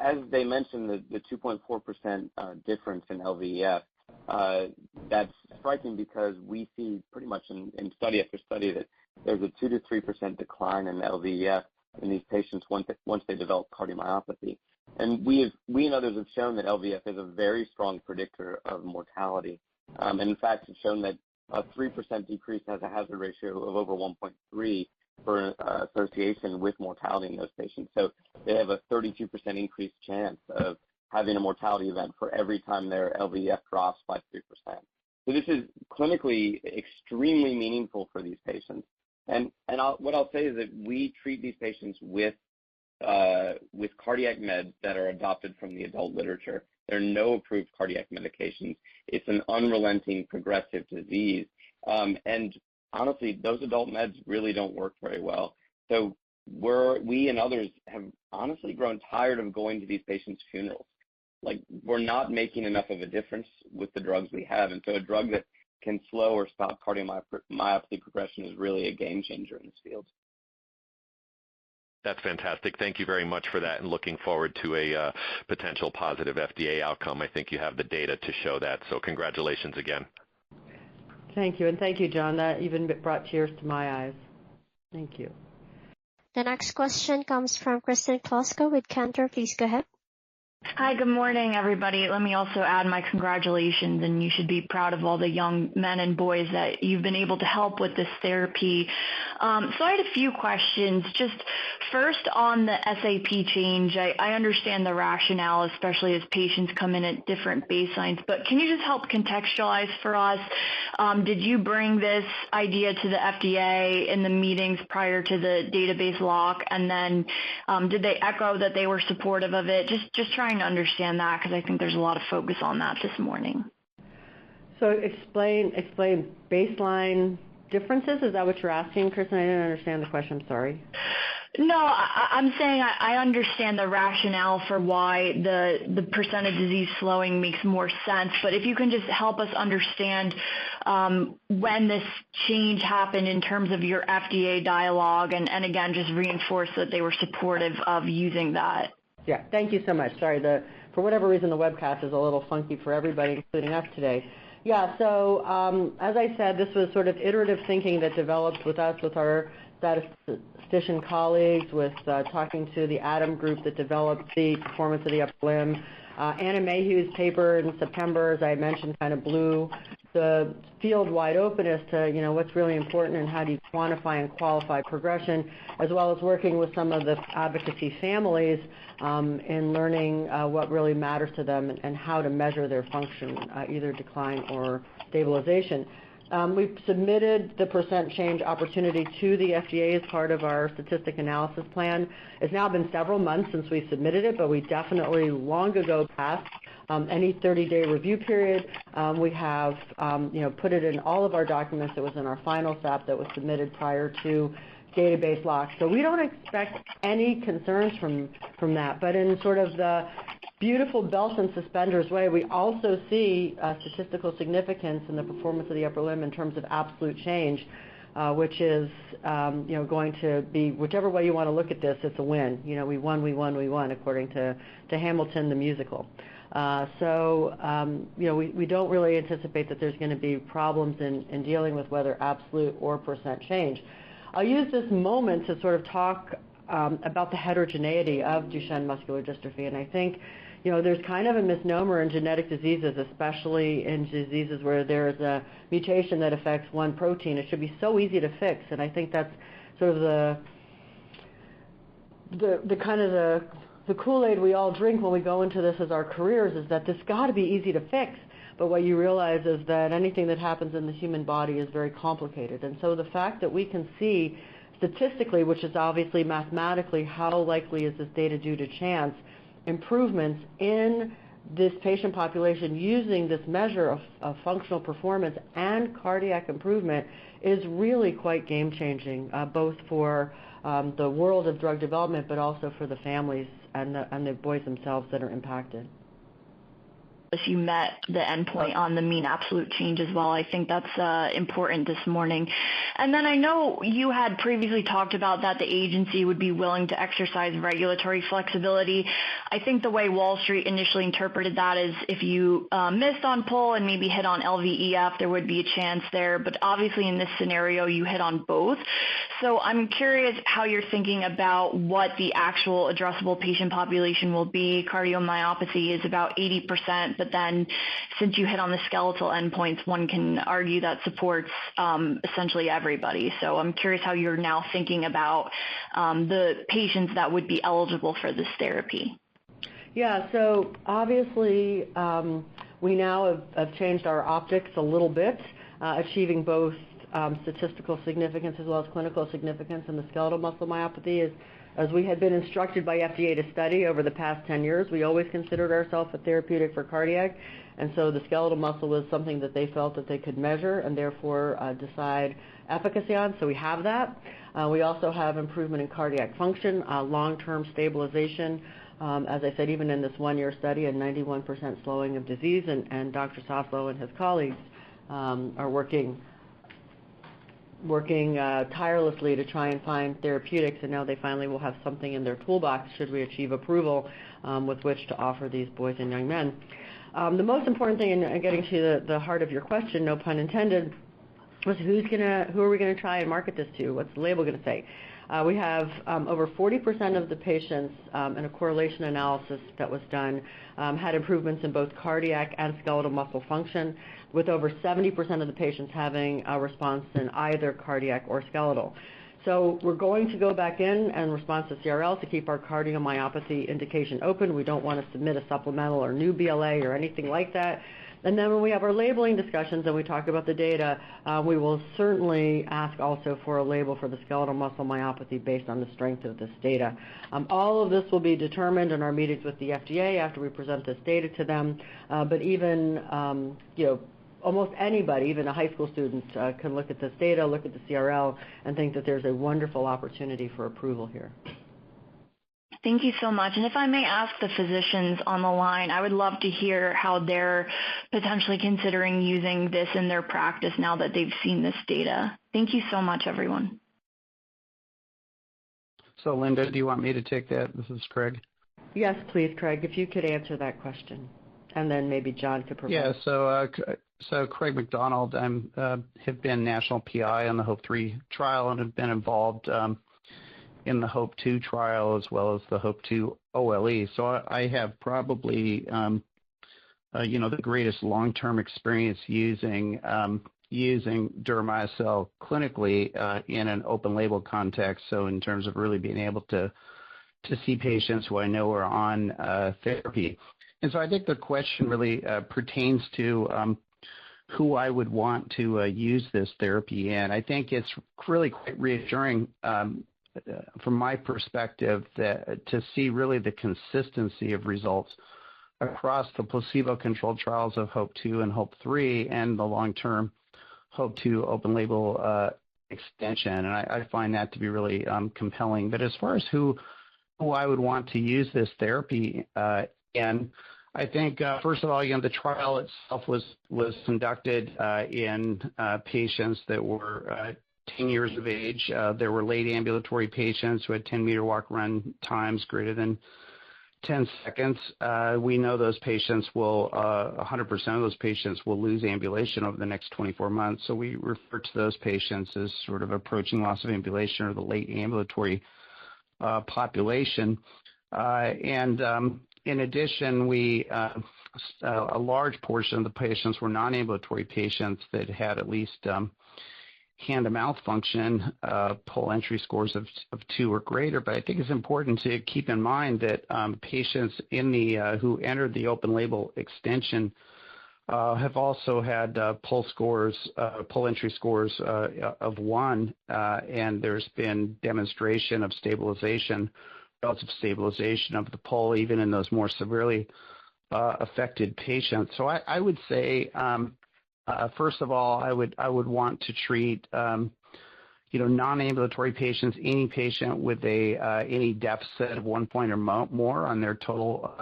as they mentioned, the 2.4% difference in LVEF, that's striking because we see pretty much in study after study that there's a 2%-3% decline in LVEF in these patients once they develop cardiomyopathy. And we and others have shown that LVEF is a very strong predictor of mortality. And in fact, it's shown that a 3% decrease has a hazard ratio of over 1.3 for association with mortality in those patients. So they have a 32% increased chance of having a mortality event for every time their LVEF drops by 3%. So this is clinically extremely meaningful for these patients. And what I'll say is that we treat these patients with cardiac meds that are adopted from the adult literature. There are no approved cardiac medications. It's an unrelenting progressive disease. And honestly, those adult meds really don't work very well. So we and others have honestly grown tired of going to these patients' funerals. We're not making enough of a difference with the drugs we have. And so a drug that can slow or stop cardiomyopathy progression is really a game changer in this field. That's fantastic. Thank you very much for that, and looking forward to a potential positive FDA outcome. I think you have the data to show that. So congratulations again. Thank you. And thank you, John. That even brought tears to my eyes. Thank you. The next question comes from Kristen Kluska with Cantor. Please go ahead. Hi. Good morning, everybody. Let me also add my congratulations, and you should be proud of all the young men and boys that you've been able to help with this therapy. So I had a few questions. Just first, on the SAP change, I understand the rationale, especially as patients come in at different baselines. But can you just help contextualize for us? Did you bring this idea to the FDA in the meetings prior to the database lock? And then did they echo that they were supportive of it? Just trying to understand that because I think there's a lot of focus on that this morning. So explain baseline differences. Is that what you're asking, Kristen? I didn't understand the question. I'm sorry. No. I'm saying I understand the rationale for why the percent of disease slowing makes more sense. But if you can just help us understand when this change happened in terms of your FDA dialogue, and again, just reinforce that they were supportive of using that. Yeah. Thank you so much. Sorry. For whatever reason, the webcast is a little funky for everybody, including us today. Yeah. So as I said, this was sort of iterative thinking that developed with us, with our statistician colleagues, with talking to the Analysis Group that developed the Performance of the Upper Limb. Anna Mayhew's paper in September, as I mentioned, kind of blew the field wide open as to what's really important and how do you quantify and qualify progression, as well as working with some of the advocacy families in learning what really matters to them and how to measure their function, either decline or stabilization. We've submitted the percent change opportunity to the FDA as part of our statistical analysis plan. It's now been several months since we submitted it, but we definitely long ago passed any 30-day review period. We have put it in all of our documents. It was in our final SAP that was submitted prior to database lock. So we don't expect any concerns from that. But in sort of the beautiful belt and suspenders way, we also see statistical significance in the Performance of the Upper Limb in terms of absolute change, which is going to be whichever way you want to look at this, it's a win. We won, we won, we won, according to Hamilton, the musical. So we don't really anticipate that there's going to be problems in dealing with whether absolute or percent change. I'll use this moment to sort of talk about the heterogeneity of Duchenne muscular dystrophy. And I think there's kind of a misnomer in genetic diseases, especially in diseases where there is a mutation that affects one protein. It should be so easy to fix. I think that's sort of the kind of Kool-Aid we all drink when we go into this as our careers is that this got to be easy to fix. But what you realize is that anything that happens in the human body is very complicated. So the fact that we can see statistically, which is obviously mathematically, how likely is this data due to chance improvements in this patient population using this measure of functional performance and cardiac improvement is really quite game-changing, both for the world of drug development but also for the families and the boys themselves that are impacted. As we met the endpoint on the mean absolute changes, well, I think that's important this morning. Then I know you had previously talked about that the agency would be willing to exercise regulatory flexibility. I think the way Wall Street initially interpreted that is if you missed on PUL and maybe hit on LVEF, there would be a chance there. But obviously, in this scenario, you hit on both. So I'm curious how you're thinking about what the actual addressable patient population will be. Cardiomyopathy is about 80%, but then since you hit on the skeletal endpoints, one can argue that supports essentially everybody. So I'm curious how you're now thinking about the patients that would be eligible for this therapy. Yeah. So obviously, we now have changed our optics a little bit, achieving both statistical significance as well as clinical significance in the skeletal muscle myopathy. As we had been instructed by FDA to study over the past 10 years, we always considered ourselves a therapeutic for cardiac. The skeletal muscle was something that they felt that they could measure and therefore decide efficacy on. So we have that. We also have improvement in cardiac function, long-term stabilization. As I said, even in this one-year study and 91% slowing of disease, and Dr. Soslow and his colleagues are working tirelessly to try and find therapeutics. Now they finally will have something in their toolbox should we achieve approval with which to offer these boys and young men. The most important thing in getting to the heart of your question, no pun intended, was who are we going to try and market this to? What's the label going to say? We have over 40% of the patients in a correlation analysis that was done had improvements in both cardiac and skeletal muscle function, with over 70% of the patients having a response in either cardiac or skeletal, so we're going to go back in and respond to CRL to keep our cardiomyopathy indication open. We don't want to submit a supplemental or new BLA or anything like that, and then when we have our labeling discussions and we talk about the data, we will certainly ask also for a label for the skeletal muscle myopathy based on the strength of this data. All of this will be determined in our meetings with the FDA after we present this data to them, but even almost anybody, even a high school student, can look at this data, look at the CRL, and think that there's a wonderful opportunity for approval here. Thank you so much. And if I may ask the physicians on the line, I would love to hear how they're potentially considering using this in their practice now that they've seen this data. Thank you so much, everyone. So Linda, do you want me to take that? This is Craig. Yes, please, Craig, if you could answer that question. And then maybe John could provide. Yeah. So Craig McDonald, I have been national PI on the HOPE-3 trial and have been involved in the HOPE-2 trial as well as the HOPE-2 OLE. So I have probably the greatest long-term experience using deramiocel clinically in an open-label context, so in terms of really being able to see patients who I know are on therapy. And so I think the question really pertains to who I would want to use this therapy in. I think it's really quite reassuring from my perspective to see really the consistency of results across the placebo-controlled trials of HOPE-2 and HOPE-3 and the long-term HOPE-2 open-label extension, and I find that to be really compelling, but as far as who I would want to use this therapy in, I think, first of all, the trial itself was conducted in patients that were 10 years of age. There were late ambulatory patients who had 10-meter walk-run times greater than 10 seconds. We know 100% of those patients will lose ambulation over the next 24 months. So we refer to those patients as sort of approaching loss of ambulation or the late ambulatory population. And in addition, a large portion of the patients were non-ambulatory patients that had at least hand-to-mouth function, PUL entry scores of 2 or greater. But I think it's important to keep in mind that patients who entered the open-label extension have also had PUL entry scores of one. And there's been demonstration of relative stabilization of the PUL, even in those more severely affected patients. So I would say, first of all, I would want to treat non-ambulatory patients, any patient with any deficit of one point or more on their total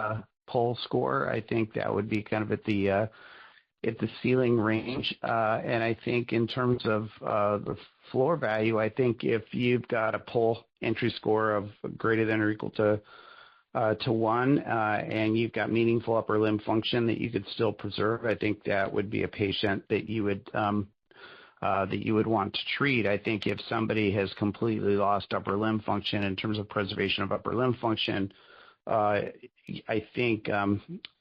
PUL score. I think that would be kind of at the ceiling range. And I think in terms of the floor value, I think if you've got a PUL entry score of greater than or equal to one and you've got meaningful upper limb function that you could still preserve, I think that would be a patient that you would want to treat. I think if somebody has completely lost upper limb function in terms of preservation of upper limb function, I think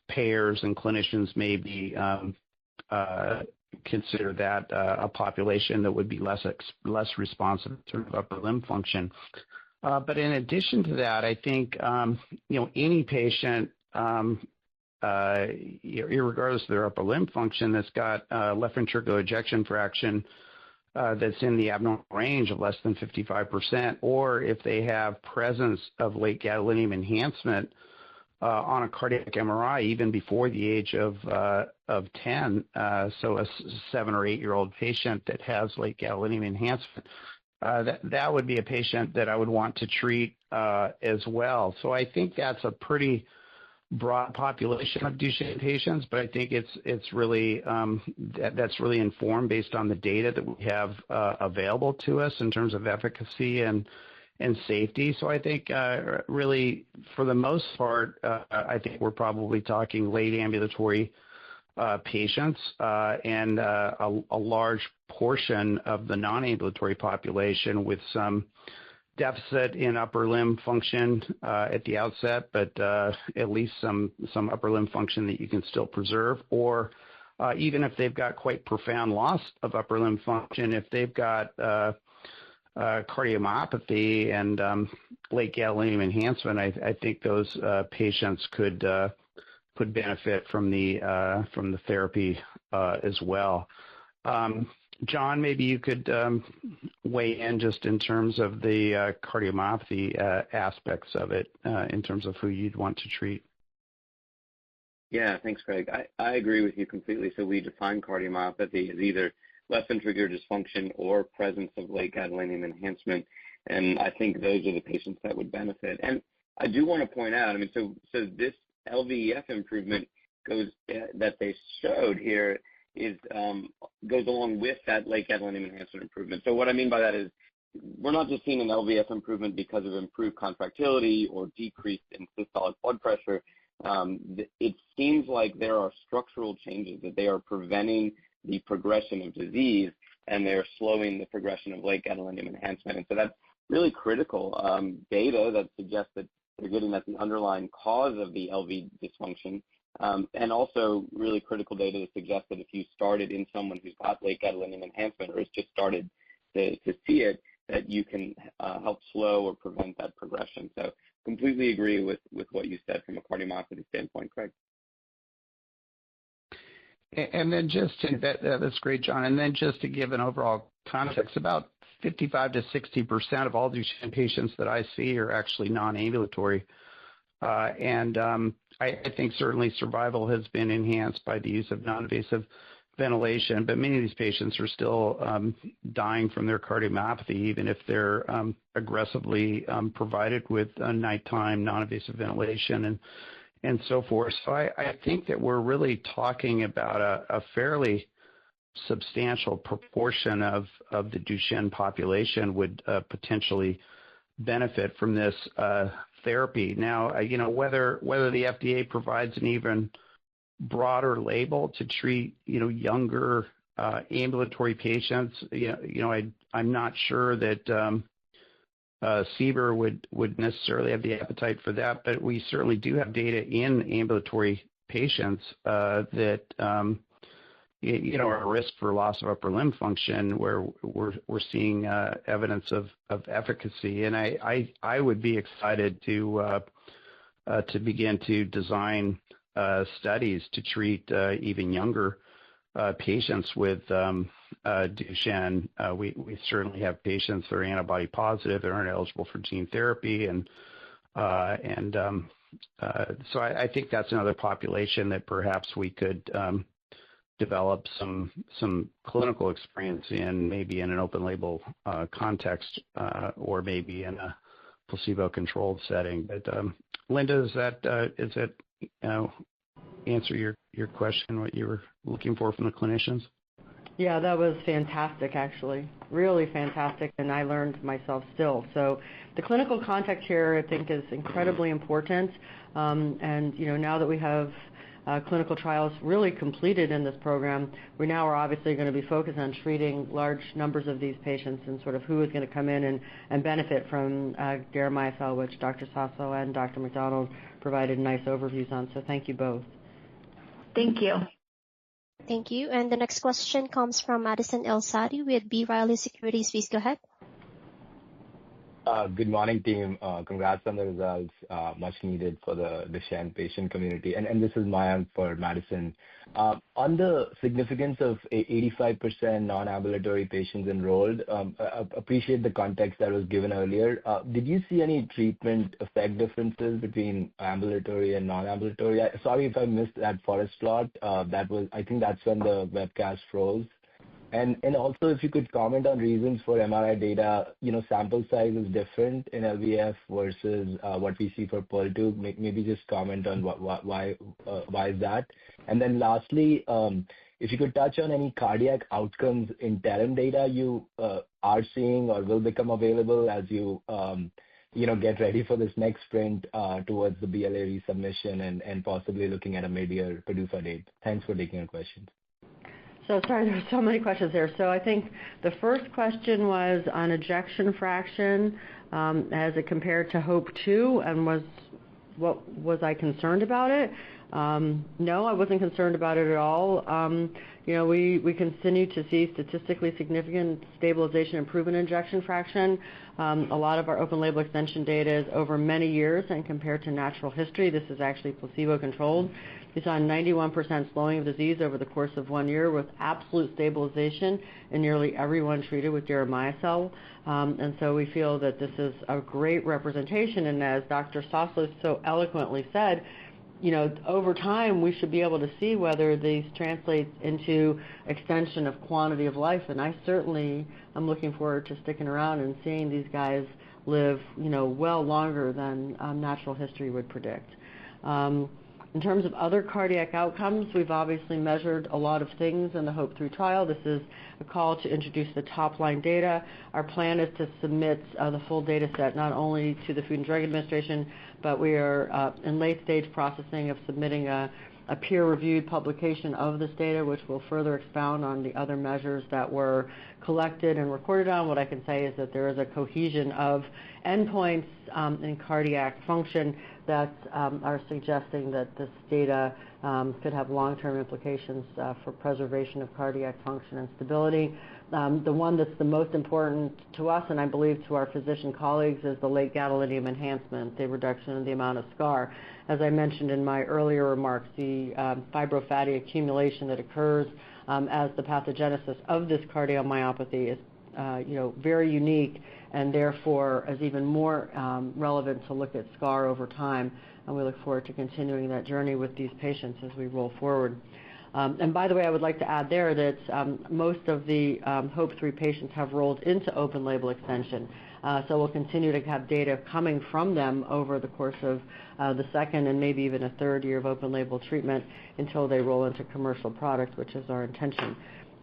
payers and clinicians maybe consider that a population that would be less responsive in terms of upper limb function. But in addition to that, I think any patient, regardless of their upper limb function, that's got a left ventricular ejection fraction that's in the abnormal range of less than 55%, or if they have presence of late gadolinium enhancement on a cardiac MRI even before the age of 10, so a seven or eight-year-old patient that has late gadolinium enhancement, that would be a patient that I would want to treat as well. So I think that's a pretty broad population of Duchenne patients. But I think that's really informed based on the data that we have available to us in terms of efficacy and safety. So, I think really, for the most part, I think we're probably talking late ambulatory patients and a large portion of the non-ambulatory population with some deficit in upper limb function at the outset, but at least some upper limb function that you can still preserve. Or even if they've got quite profound loss of upper limb function, if they've got cardiomyopathy and late gadolinium enhancement, I think those patients could benefit from the therapy as well. John, maybe you could weigh in just in terms of the cardiomyopathy aspects of it in terms of who you'd want to treat. Yeah. Thanks, Craig. I agree with you completely. So we define cardiomyopathy as either left ventricular dysfunction or presence of late gadolinium enhancement. And I think those are the patients that would benefit. I do want to point out. I mean, so this LVEF improvement that they showed here goes along with that late gadolinium enhancement improvement. What I mean by that is we're not just seeing an LVEF improvement because of improved contractility or decreased systolic blood pressure. It seems like there are structural changes that they are preventing the progression of disease, and they're slowing the progression of late gadolinium enhancement. That's really critical data that suggests that they're getting at the underlying cause of the LV dysfunction. Also, really critical data to suggest that if you started in someone who's got late gadolinium enhancement or has just started to see it, that you can help slow or prevent that progression. Completely agree with what you said from a cardiomyopathy standpoint, Craig. And then just to say that's great, John. Then just to give an overall context about 55%-60% of all Duchenne patients that I see are actually non-ambulatory. I think certainly survival has been enhanced by the use of non-invasive ventilation. But many of these patients are still dying from their cardiomyopathy, even if they're aggressively provided with nighttime non-invasive ventilation and so forth. So I think that we're really talking about a fairly substantial proportion of the Duchenne population would potentially benefit from this therapy. Now, whether the FDA provides an even broader label to treat younger ambulatory patients, I'm not sure that CBER would necessarily have the appetite for that. But we certainly do have data in ambulatory patients that are at risk for loss of upper limb function where we're seeing evidence of efficacy. I would be excited to begin to design studies to treat even younger patients with Duchenne. We certainly have patients that are antibody positive that aren't eligible for gene therapy. And so I think that's another population that perhaps we could develop some clinical experience in, maybe in an open-label context or maybe in a placebo-controlled setting. But Linda, does that answer your question, what you were looking for from the clinicians? Yeah. That was fantastic, actually. Really fantastic. And I learned myself still. The clinical context here, I think, is incredibly important. Now that we have clinical trials really completed in this program, we now are obviously going to be focused on treating large numbers of these patients and sort of who is going to come in and benefit from deramiocel, which Dr. Soslow and Dr. McDonald provided nice overviews on. So thank you both. Thank you. Thank you. The next question comes from Madison El-Saadi with B. Riley Securities. Please go ahead. Good morning, team. Congrats on the results. Much needed for the Duchenne patient community. And this is [Maanasa] for Madison. On the significance of 85% non-ambulatory patients enrolled, I appreciate the context that was given earlier. Did you see any treatment effect differences between ambulatory and non-ambulatory? Sorry if I missed that forest plot. I think that's when the webcast rolls. And also, if you could comment on reasons for MRI data, sample size is different in LVEF versus what we see for PUL 2.0. Maybe just comment on why is that. And then lastly, if you could touch on any cardiac outcomes in interim data you are seeing or will become available as you get ready for this next sprint towards the BLA resubmission and possibly looking at a mid-year PDUFA date. Thanks for taking our questions. So sorry, there were so many questions here. I think the first question was on ejection fraction as it compared to HOPE-2 and was, "Was I concerned about it?" No, I wasn't concerned about it at all. We continue to see statistically significant stabilization improvement in ejection fraction. A lot of our open-label extension data is over many years and compared to natural history, this is actually placebo-controlled. We saw a 91% slowing of disease over the course of one year with absolute stabilization in nearly everyone treated with deramiocel. And so we feel that this is a great representation. And as Dr. Soslow so eloquently said, over time, we should be able to see whether these translate into extension of quantity of life. And I certainly am looking forward to sticking around and seeing these guys live well longer than natural history would predict. In terms of other cardiac outcomes, we've obviously measured a lot of things in the HOPE-3 trial. This is a call to introduce the top-line data. Our plan is to submit the full data set not only to the Food and Drug Administration, but we are in late-stage processing of submitting a peer-reviewed publication of this data, which will further expound on the other measures that were collected and recorded on. What I can say is that there is a cohesion of endpoints in cardiac function that are suggesting that this data could have long-term implications for preservation of cardiac function and stability. The one that's the most important to us, and I believe to our physician colleagues, is the late gadolinium enhancement, the reduction in the amount of scar. As I mentioned in my earlier remarks, the fibrofatty accumulation that occurs as the pathogenesis of this cardiomyopathy is very unique and therefore is even more relevant to look at scar over time. And we look forward to continuing that journey with these patients as we roll forward. And by the way, I would like to add there that most of the HOPE-3 patients have rolled into open-label extension. So we'll continue to have data coming from them over the course of the second and maybe even a third year of open-label treatment until they roll into commercial product, which is our intention.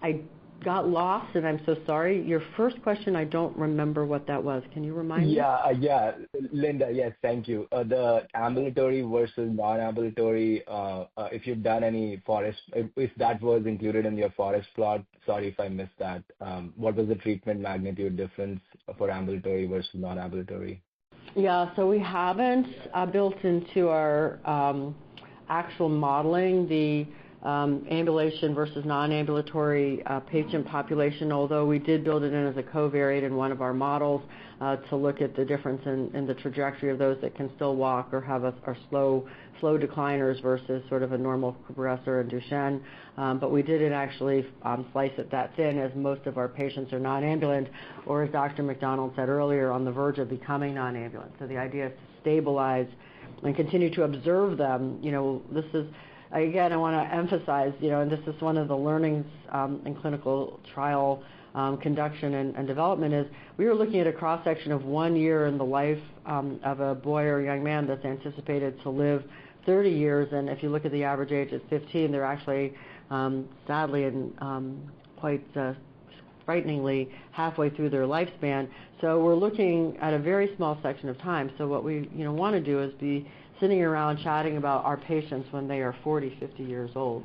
I got lost, and I'm so sorry. Your first question, I don't remember what that was. Can you remind me? Yeah. Yeah. Linda, yes. Thank you. The ambulatory versus non-ambulatory, if you've done any forest, if that was included in your forest plot, sorry if I missed that. What was the treatment magnitude difference for ambulatory versus non-ambulatory? Yeah. So we haven't built into our actual modeling the ambulation versus non-ambulatory patient population, although we did build it in as a covariate in one of our models to look at the difference in the trajectory of those that can still walk or have slow decliners versus sort of a normal progressor in Duchenne. But we didn't actually slice it that thin as most of our patients are non-ambulant, or as Dr. McDonald said earlier, on the verge of becoming non-ambulant. So the idea is to stabilize and continue to observe them. Again, I want to emphasize, and this is one of the learnings in clinical trial conduction and development, is we were looking at a cross-section of one year in the life of a boy or a young man that's anticipated to live 30 years. And if you look at the average age at 15, they're actually, sadly and quite frighteningly, halfway through their lifespan. So we're looking at a very small section of time. So what we want to do is be sitting around chatting about our patients when they are 40, 50 years old.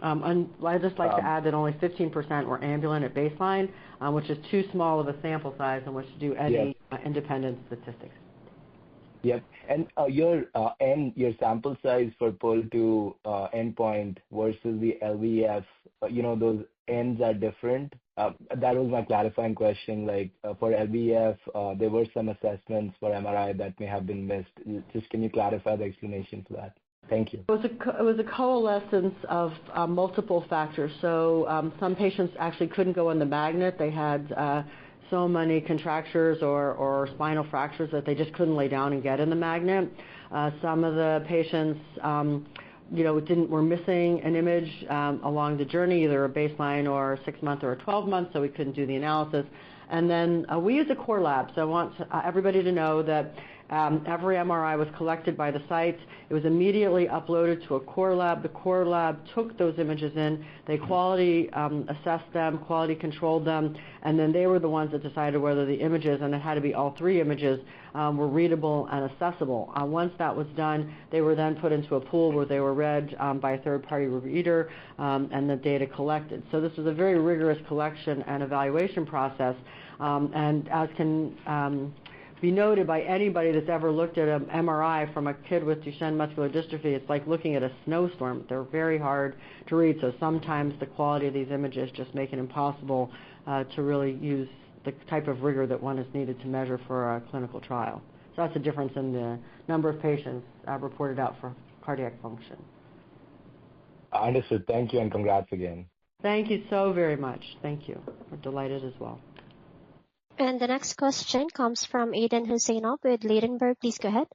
I'd just like to add that only 15% were ambulant at baseline, which is too small of a sample size in which to do any independent statistics. Yep. And your sample size for PUL 2.0 endpoint versus the LVEF, those ends are different? That was my clarifying question. For LVEF, there were some assessments for MRI that may have been missed. Just can you clarify the explanation for that? Thank you. It was a coalescence of multiple factors. So some patients actually couldn't go on the magnet. They had so many contractures or spinal fractures that they just couldn't lay down and get in the magnet. Some of the patients were missing an image along the journey, either a baseline or 6-month or 12-month, so we couldn't do the analysis. And then we used a core lab. So I want everybody to know that every MRI was collected by the site. It was immediately uploaded to a core lab. The core lab took those images in. They quality assessed them, quality controlled them. And then they were the ones that decided whether the images, and it had to be all three images, were readable and accessible. Once that was done, they were then put into a pool where they were read by a third-party reader and the data collected. So this was a very rigorous collection and evaluation process. And as can be noted by anybody that's ever looked at an MRI from a kid with Duchenne muscular dystrophy, it's like looking at a snowstorm. They're very hard to read. So sometimes the quality of these images just make it impossible to really use the type of rigor that one is needed to measure for a clinical trial. So that's the difference in the number of patients reported out for cardiac function. Understood. Thank you and congrats again. Thank you so very much. Thank you. We're delighted as well. And the next question comes from Aydin Huseynov with Ladenburg. Please go ahead.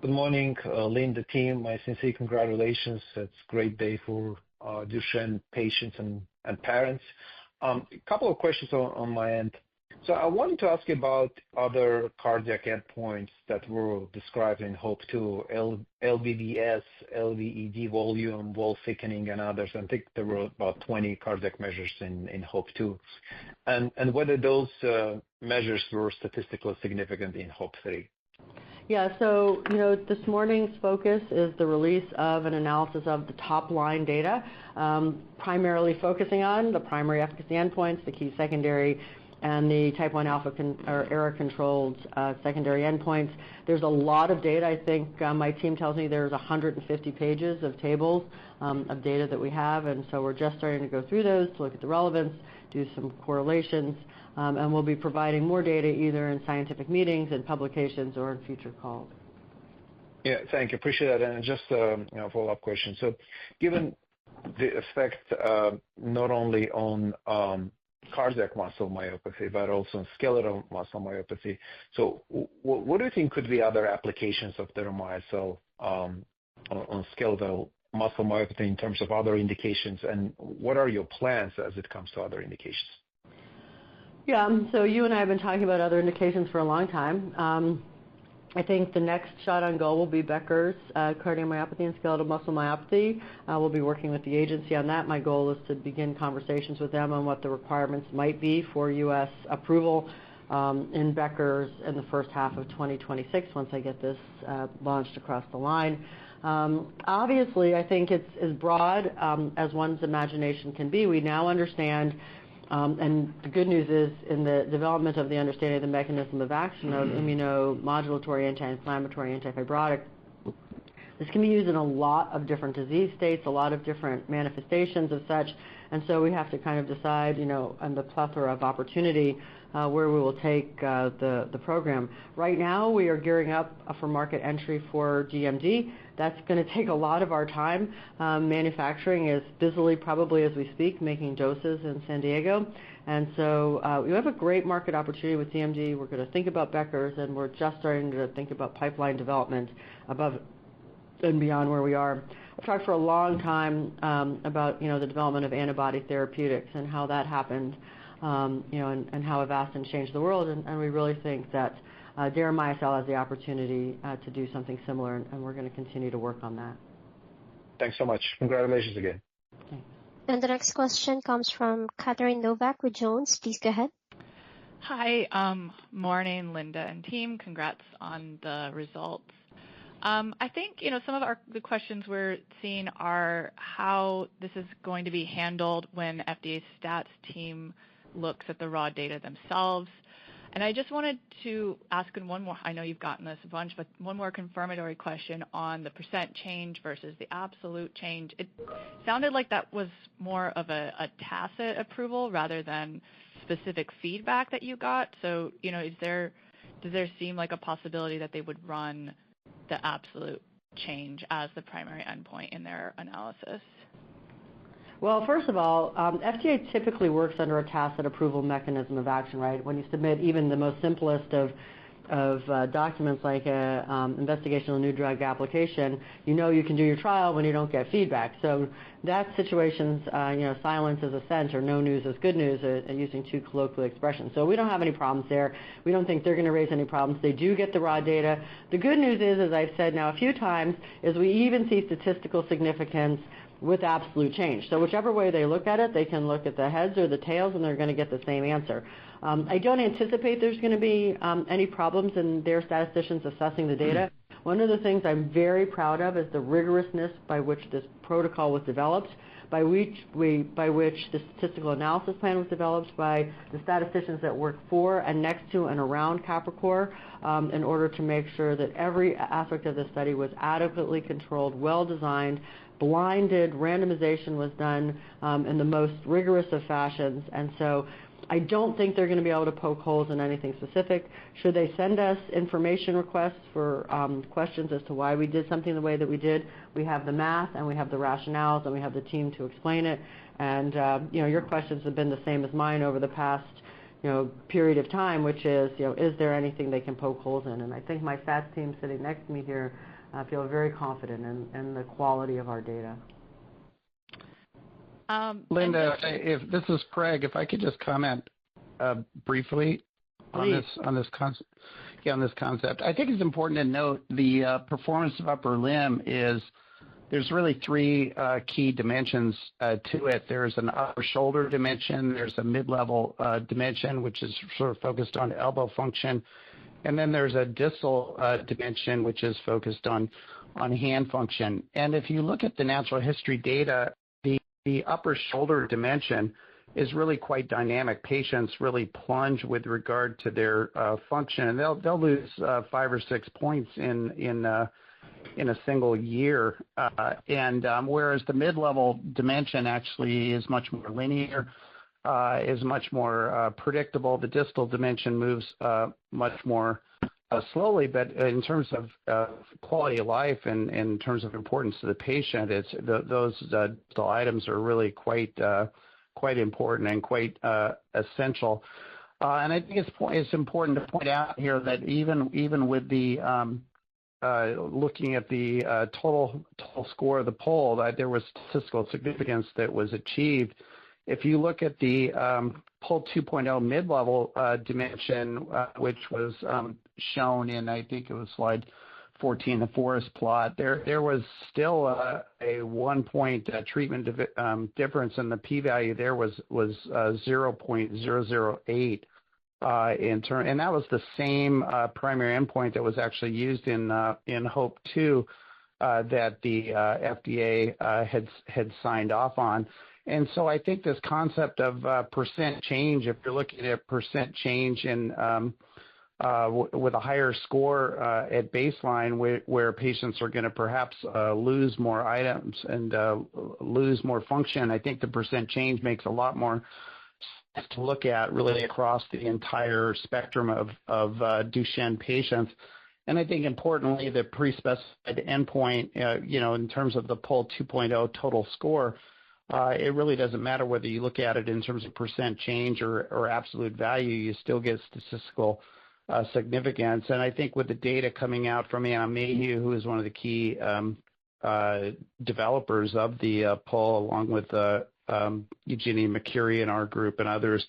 Good morning, Linda, team. My sincere congratulations. It's a great day for Duchenne patients and parents. A couple of questions on my end. So I wanted to ask you about other cardiac endpoints that were described in HOPE-2: LVDS, LVES volume, wall thickening, and others. I think there were about 20 cardiac measures in HOPE-2. And whether those measures were statistically significant in HOPE-3. Yeah. This morning's focus is the release of an analysis of the top-line data, primarily focusing on the primary efficacy endpoints, the key secondary, and the type 1 alpha or error-controlled secondary endpoints. There's a lot of data. I think my team tells me there's 150 pages of tables of data that we have. We're just starting to go through those to look at the relevance, do some correlations. We'll be providing more data either in scientific meetings, in publications, or in future calls. Yeah. Thank you. Appreciate that. And just a follow-up question. So given the effect not only on cardiac muscle myopathy but also skeletal muscle myopathy, so what do you think could be other applications of deramyocel on skeletal muscle myopathy in terms of other indications? And what are your plans as it comes to other indications? Yeah. So you and I have been talking about other indications for a long time. I think the next shot on goal will be Becker's cardiomyopathy and skeletal muscle myopathy. We'll be working with the agency on that. My goal is to begin conversations with them on what the requirements might be for U.S. approval in Becker's in the first half of 2026 once I get this launched across the line. Obviously, I think it's as broad as one's imagination can be. We now understand, and the good news is in the development of the understanding of the mechanism of action of immunomodulatory, anti-inflammatory, anti-fibrotic. This can be used in a lot of different disease states, a lot of different manifestations of such. And so we have to kind of decide on the plethora of opportunity where we will take the program. Right now, we are gearing up for market entry for DMD. That's going to take a lot of our time. Manufacturing is busily, probably as we speak, making doses in San Diego. And so we have a great market opportunity with DMD. We're going to think about Becker's, and we're just starting to think about pipeline development above and beyond where we are. We've talked for a long time about the development of antibody therapeutics and how that happened and how Avastin changed the world. And we really think that deramiocel has the opportunity to do something similar, and we're going to continue to work on that. Thanks so much. Congratulations again. Thanks. And the next question comes from Catherine Novack with Jones. Please go ahead. Hi. Morning, Linda and team. Congrats on the results. I think some of the questions we're seeing are how this is going to be handled when FDA stats team looks at the raw data themselves. And I just wanted to ask one more. I know you've gotten this a bunch. But one more confirmatory question on the percent change versus the absolute change. It sounded like that was more of a tacit approval rather than specific feedback that you got. So does there seem like a possibility that they would run the absolute change as the primary endpoint in their analysis? First of all, FDA typically works under a tacit approval mechanism of action, right? When you submit even the most simplest of documents like an investigational new drug application, you know you can do your trial when you don't get feedback. So that situation's silence is consent. No news is good news, to use a colloquial expression. So we don't have any problems there. We don't think they're going to raise any problems. They do get the raw data. The good news is, as I've said now a few times, is we even see statistical significance with absolute change. So whichever way they look at it, they can look at the heads or the tails, and they're going to get the same answer. I don't anticipate there's going to be any problems in their statisticians assessing the data. One of the things I'm very proud of is the rigorousness by which this protocol was developed, by which the statistical analysis plan was developed by the statisticians that worked for and next to and around Capricor in order to make sure that every aspect of the study was adequately controlled, well-designed, blinded randomization was done in the most rigorous of fashions. And so I don't think they're going to be able to poke holes in anything specific. Should they send us information requests for questions as to why we did something the way that we did, we have the math, and we have the rationales, and we have the team to explain it. And your questions have been the same as mine over the past period of time, which is, is there anything they can poke holes in? I think my stats team sitting next to me here feel very confident in the quality of our data. Linda, this is Craig. If I could just comment briefly on this concept. Yeah, on this concept. I think it's important to note the Performance of the Upper Limb is there's really three key dimensions to it. There's an upper shoulder dimension. There's a mid-level dimension, which is sort of focused on elbow function. And then there's a distal dimension, which is focused on hand function. And if you look at the natural history data, the upper shoulder dimension is really quite dynamic. Patients really plunge with regard to their function. They'll lose five or six points in a single year. And whereas the mid-level dimension actually is much more linear, is much more predictable, the distal dimension moves much more slowly. But in terms of quality of life and in terms of importance to the patient, those distal items are really quite important and quite essential. And I think it's important to point out here that even with the looking at the total score of the PUL, there was statistical significance that was achieved. If you look at the PUL 2.0 mid-level dimension, which was shown in, I think it was slide 14, the forest plot, there was still a one-point treatment difference, and the P-value there was 0.008. And that was the same primary endpoint that was actually used in HOPE-2 that the FDA had signed off on. I think this concept of percent change, if you're looking at percent change with a higher score at baseline where patients are going to perhaps lose more items and lose more function. I think the percent change makes a lot more sense to look at really across the entire spectrum of Duchenne patients. I think importantly, the pre-specified endpoint in terms of the PUL 2.0 total score, it really doesn't matter whether you look at it in terms of percent change or absolute value. You still get statistical significance. I think with the data coming out from Anna Mayhew, who is one of the key developers of the PUL along with Eugenio Mercuri in our group and others,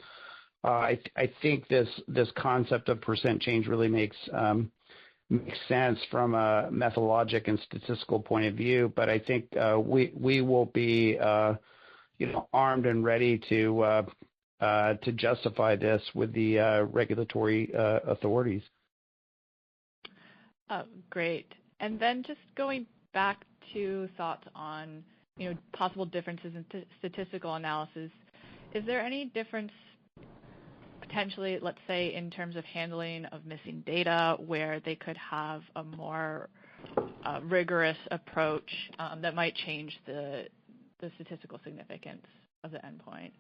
I think this concept of percent change really makes sense from a methodological and statistical point of view. But I think we will be armed and ready to justify this with the regulatory authorities. Great. And then just going back to thoughts on possible differences in statistical analysis, is there any difference potentially, let's say, in terms of handling of missing data where they could have a more rigorous approach that might change the statistical significance of the endpoint?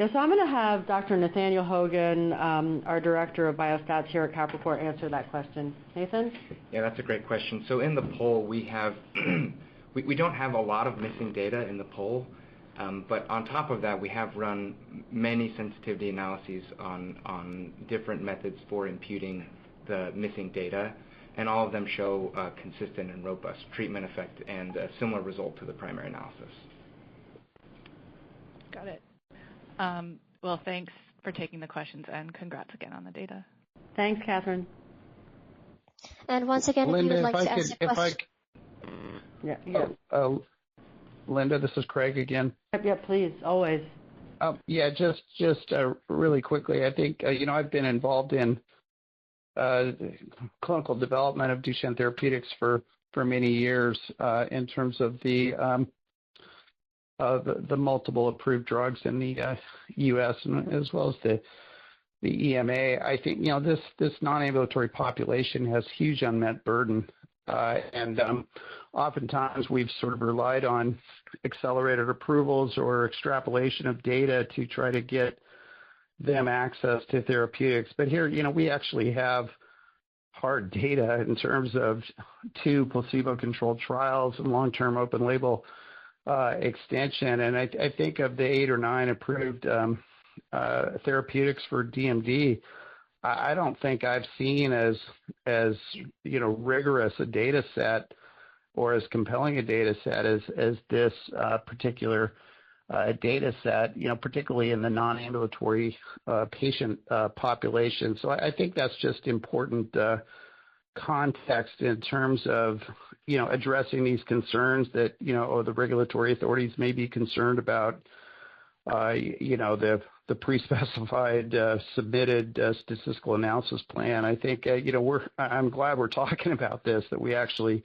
Yeah. So I'm going to have Dr. Nathan Hogan, our director of biostats here at Capricor, answer that question. Nathan? Yeah. That's a great question. So in the PUL, we don't have a lot of missing data in the PUL. But on top of that, we have run many sensitivity analyses on different methods for imputing the missing data. And all of them show consistent and robust treatment effect and a similar result to the primary analysis. Got it. Thanks for taking the questions, and congrats again on the data. Thanks, Catherine. And once again, Linda, if I could just, Linda, this is Craig again. Yep, please. Always. Yeah. Just really quickly, I think I've been involved in clinical development of Duchenne therapeutics for many years in terms of the multiple approved drugs in the U.S. as well as the EMA. I think this non-ambulatory population has huge unmet burden. And oftentimes, we've sort of relied on accelerated approvals or extrapolation of data to try to get them access to therapeutics. But here, we actually have hard data in terms of two placebo-controlled trials and long-term open-label extension. And I think of the eight or nine approved therapeutics for DMD, I don't think I've seen as rigorous a dataset or as compelling a dataset as this particular dataset, particularly in the non-ambulatory patient population. I think that's just important context in terms of addressing these concerns that the regulatory authorities may be concerned about, the pre-specified submitted statistical analysis plan. I think I'm glad we're talking about this, that we actually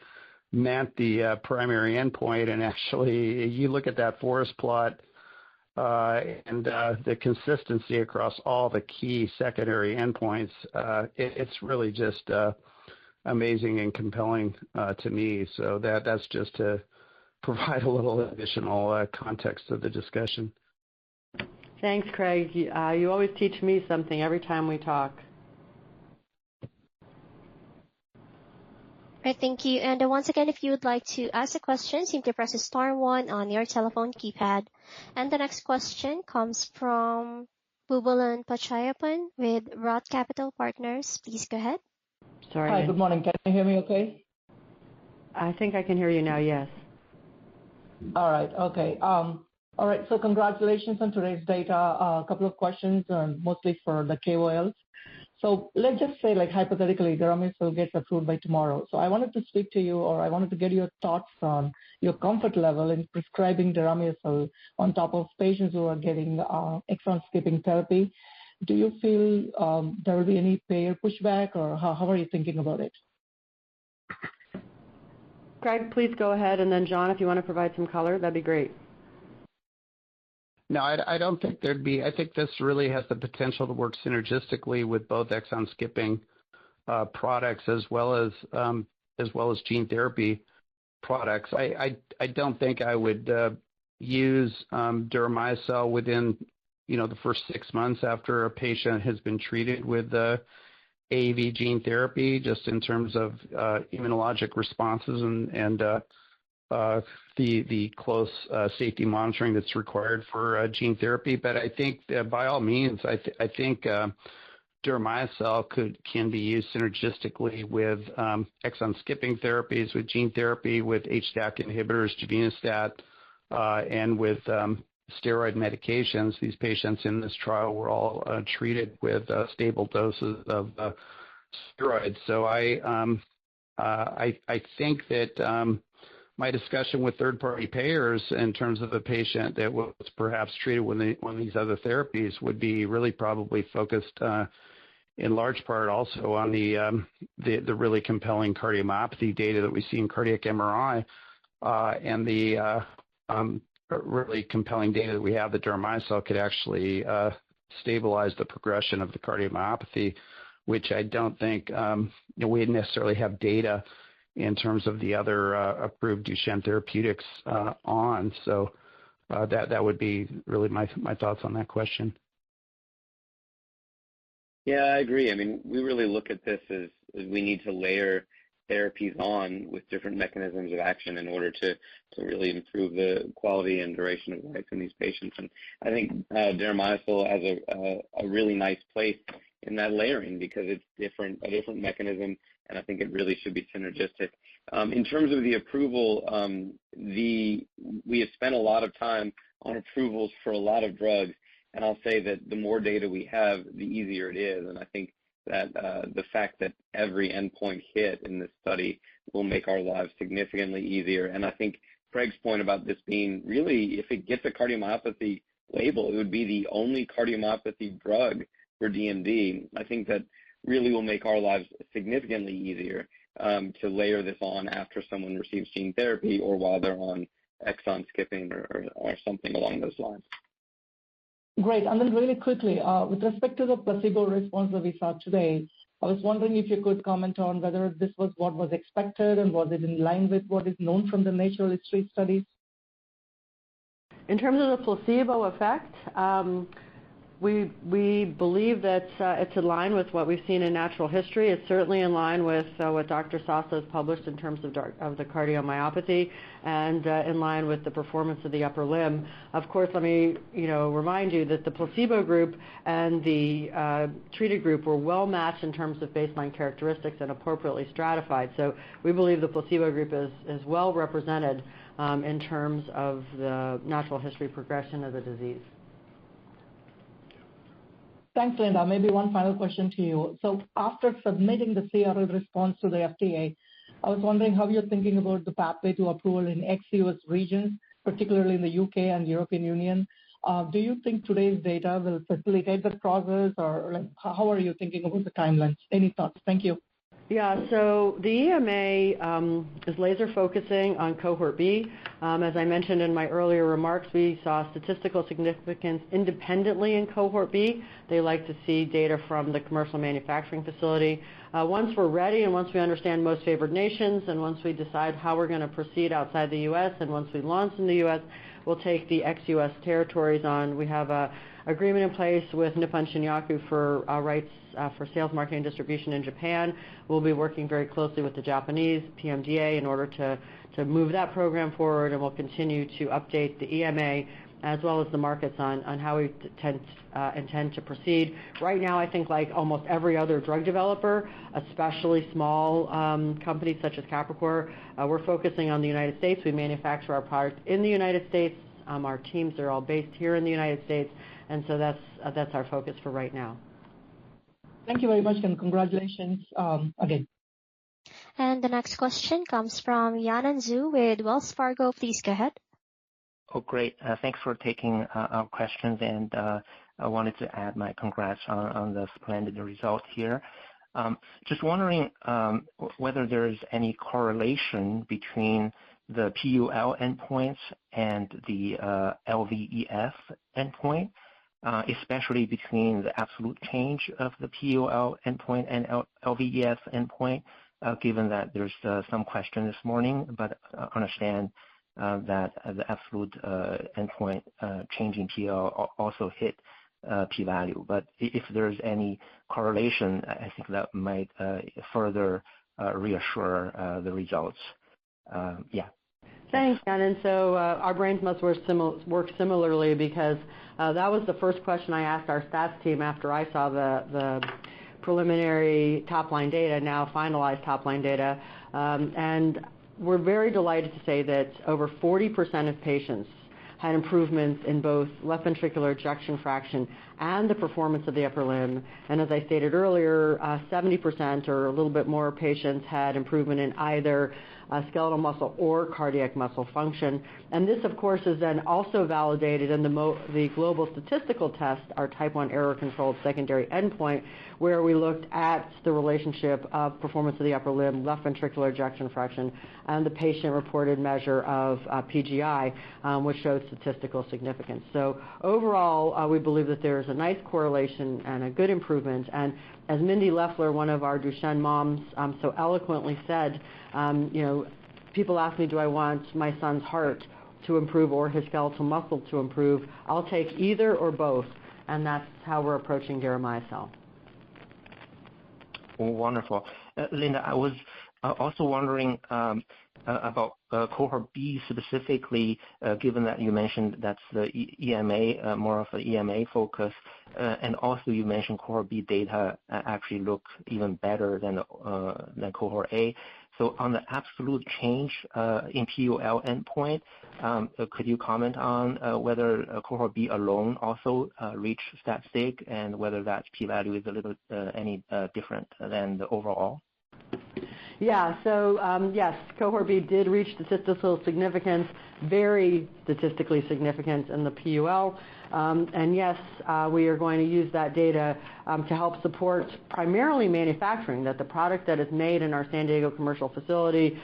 met the primary endpoint. Actually, you look at that forest plot and the consistency across all the key secondary endpoints, it's really just amazing and compelling to me. That's just to provide a little additional context of the discussion. Thanks, Craig. You always teach me something every time we talk. All right. Thank you. And once again, if you would like to ask a question, simply press star one on your telephone keypad. The next question comes from Boobalan Pachaiyappan with ROTH Capital Partners. Please go ahead. Sorry. Hi. Good morning. Can you hear me okay? I think I can hear you now. Yes. All right. Okay. All right. Congratulations on today's data. A couple of questions, mostly for the KOLs. Let's just say hypothetically, deramiocel gets approved by tomorrow. I wanted to speak to you, or I wanted to get your thoughts on your comfort level in prescribing deramiocel on top of patients who are getting exon-skipping therapy. Do you feel there will be any payer pushback, or how are you thinking about it? Craig, please go ahead. And then John, if you want to provide some color, that'd be great. No, I don't think there'd be, I think this really has the potential to work synergistically with both exon-skipping products as well as gene therapy products. I don't think I would use deramiocel within the first six months after a patient has been treated with AAV gene therapy just in terms of immunologic responses and the close safety monitoring that's required for gene therapy. But I think by all means, I think deramiocel can be used synergistically with exon-skipping therapies, with gene therapy, with HDAC inhibitors, givinostat, and with steroid medications. These patients in this trial were all treated with stable doses of steroids. So I think that my discussion with third-party payers in terms of the patient that was perhaps treated with these other therapies would be really probably focused in large part also on the really compelling cardiomyopathy data that we see in cardiac MRI and the really compelling data that we have that deramiocel could actually stabilize the progression of the cardiomyopathy, which I don't think we necessarily have data in terms of the other approved Duchenne therapeutics on. So that would be really my thoughts on that question. Yeah, I agree. I mean, we really look at this as we need to layer therapies on with different mechanisms of action in order to really improve the quality and duration of life in these patients. And I think deramyocel has a really nice place in that layering because it's a different mechanism, and I think it really should be synergistic. In terms of the approval, we have spent a lot of time on approvals for a lot of drugs. And I'll say that the more data we have, the easier it is. And I think that the fact that every endpoint hit in this study will make our lives significantly easier. And I think Craig's point about this being really, if it gets a cardiomyopathy label, it would be the only cardiomyopathy drug for DMD. I think that really will make our lives significantly easier to layer this on after someone receives gene therapy or while they're on exon skipping or something along those lines. Great. And then really quickly, with respect to the placebo response that we saw today, I was wondering if you could comment on whether this was what was expected and was it in line with what is known from the natural history studies? In terms of the placebo effect, we believe that it's in line with what we've seen in natural history. It's certainly in line with what Dr. Soslow has published in terms of the cardiomyopathy and in line with the Performance of the Upper Limb. Of course, let me remind you that the placebo group and the treated group were well-matched in terms of baseline characteristics and appropriately stratified. So we believe the placebo group is well-represented in terms of the natural history progression of the disease. Thanks, Linda. Maybe one final question to you. So after submitting the CRL response to the FDA, I was wondering how you're thinking about the pathway to approval in ex-U.S. regions, particularly in the U.K. and European Union. Do you think today's data will facilitate that process, or how are you thinking about the timelines? Any thoughts? Thank you. Yeah. So the EMA is laser-focusing on cohort B. As I mentioned in my earlier remarks, we saw statistical significance independently in cohort B. They like to see data from the commercial manufacturing facility. Once we're ready and once we understand most favored nations and once we decide how we're going to proceed outside the U.S. and once we launch in the U.S., we'll take the ex-U.S. territories on. We have an agreement in place with Nippon Shinyaku for rights for sales, marketing, and distribution in Japan. We'll be working very closely with the Japanese PMDA in order to move that program forward, and we'll continue to update the EMA as well as the markets on how we intend to proceed. Right now, I think like almost every other drug developer, especially small companies such as Capricor, we're focusing on the United States. We manufacture our product in the United States. Our teams are all based here in the United States, and so that's our focus for right now. Thank you very much, and congratulations again, and the next question comes from Yanan Zhu with Wells Fargo. Please go ahead. Oh, great. Thanks for taking our questions, and I wanted to add my congrats on the splendid result here. Just wondering whether there is any correlation between the PUL endpoints and the LVEF endpoint, especially between the absolute change of the PUL endpoint and LVEF endpoint, given that there's some question this morning? But I understand that the absolute endpoint changing PUL also hit P-value. But if there's any correlation, I think that might further reassure the results. Yeah. Thanks, Yanan. And so our brains must work similarly because that was the first question I asked our staff team after I saw the preliminary top-line data, now finalized top-line data. And we're very delighted to say that over 40% of patients had improvements in both left ventricular ejection fraction and the Performance of the Upper Limb. And as I stated earlier, 70% or a little bit more patients had improvement in either skeletal muscle or cardiac muscle function. This, of course, is then also validated in the global statistical test, our Type I error-controlled secondary endpoint, where we looked at the relationship of Performance of the Upper Limb, left ventricular ejection fraction, and the patient-reported measure of PGI, which showed statistical significance. So overall, we believe that there is a nice correlation and a good improvement. As Mindy Leffler, one of our Duchenne moms, so eloquently said, "People ask me, 'Do I want my son's heart to improve or his skeletal muscle to improve?' I'll take either or both." That's how we're approaching deramiocel. Wonderful. Linda, I was also wondering about cohort B specifically, given that you mentioned that's more of an EMA focus. Also, you mentioned cohort B data actually look even better than cohort A. So on the absolute change in PUL endpoint, could you comment on whether cohort B alone also reached that state and whether that P-value is a little any different than the overall? Yeah. So yes, cohort B did reach statistical significance, very statistically significant in the PUL. And yes, we are going to use that data to help support primarily manufacturing, that the product that is made in our San Diego commercial facility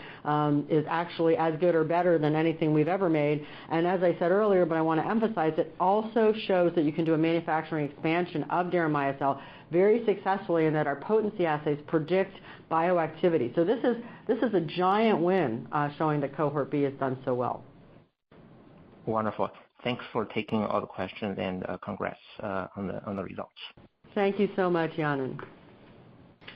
is actually as good or better than anything we've ever made. And as I said earlier, but I want to emphasize, it also shows that you can do a manufacturing expansion of deramiocel very successfully and that our potency assays predict bioactivity. So this is a giant win showing that cohort B has done so well. Wonderful. Thanks for taking all the questions and congrats on the results. Thank you so much, Yanan.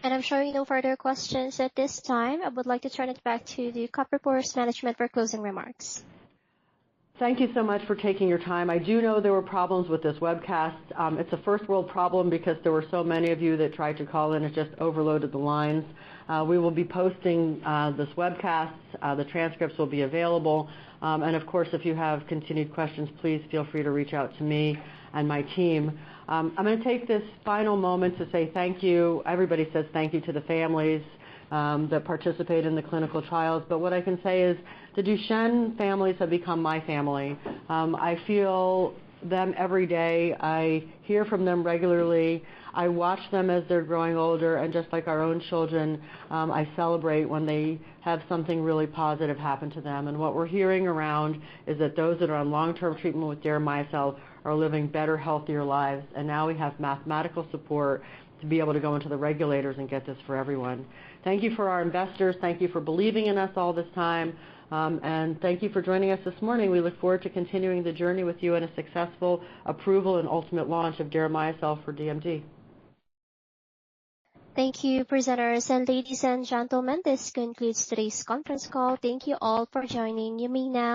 I'm sure you have no further questions at this time. I would like to turn it back to the Capricor management for closing remarks. Thank you so much for taking your time. I do know there were problems with this webcast. It's a first-world problem because there were so many of you that tried to call in. It just overloaded the lines. We will be posting this webcast. The transcripts will be available. And of course, if you have continued questions, please feel free to reach out to me and my team. I'm going to take this final moment to say thank you. Everybody says thank you to the families that participate in the clinical trials. What I can say is the Duchenne families have become my family. I feel them every day. I hear from them regularly. I watch them as they're growing older. And just like our own children, I celebrate when they have something really positive happen to them. And what we're hearing around is that those that are on long-term treatment with deramiocel are living better, healthier lives. And now we have mathematical support to be able to go into the regulators and get this for everyone. Thank you, our investors. Thank you for believing in us all this time. And thank you for joining us this morning. We look forward to continuing the journey with you and a successful approval and ultimate launch of deramiocel for DMD. Thank you, presenters. And ladies and gentlemen, this concludes today's conference call. Thank you all for joining. You may now.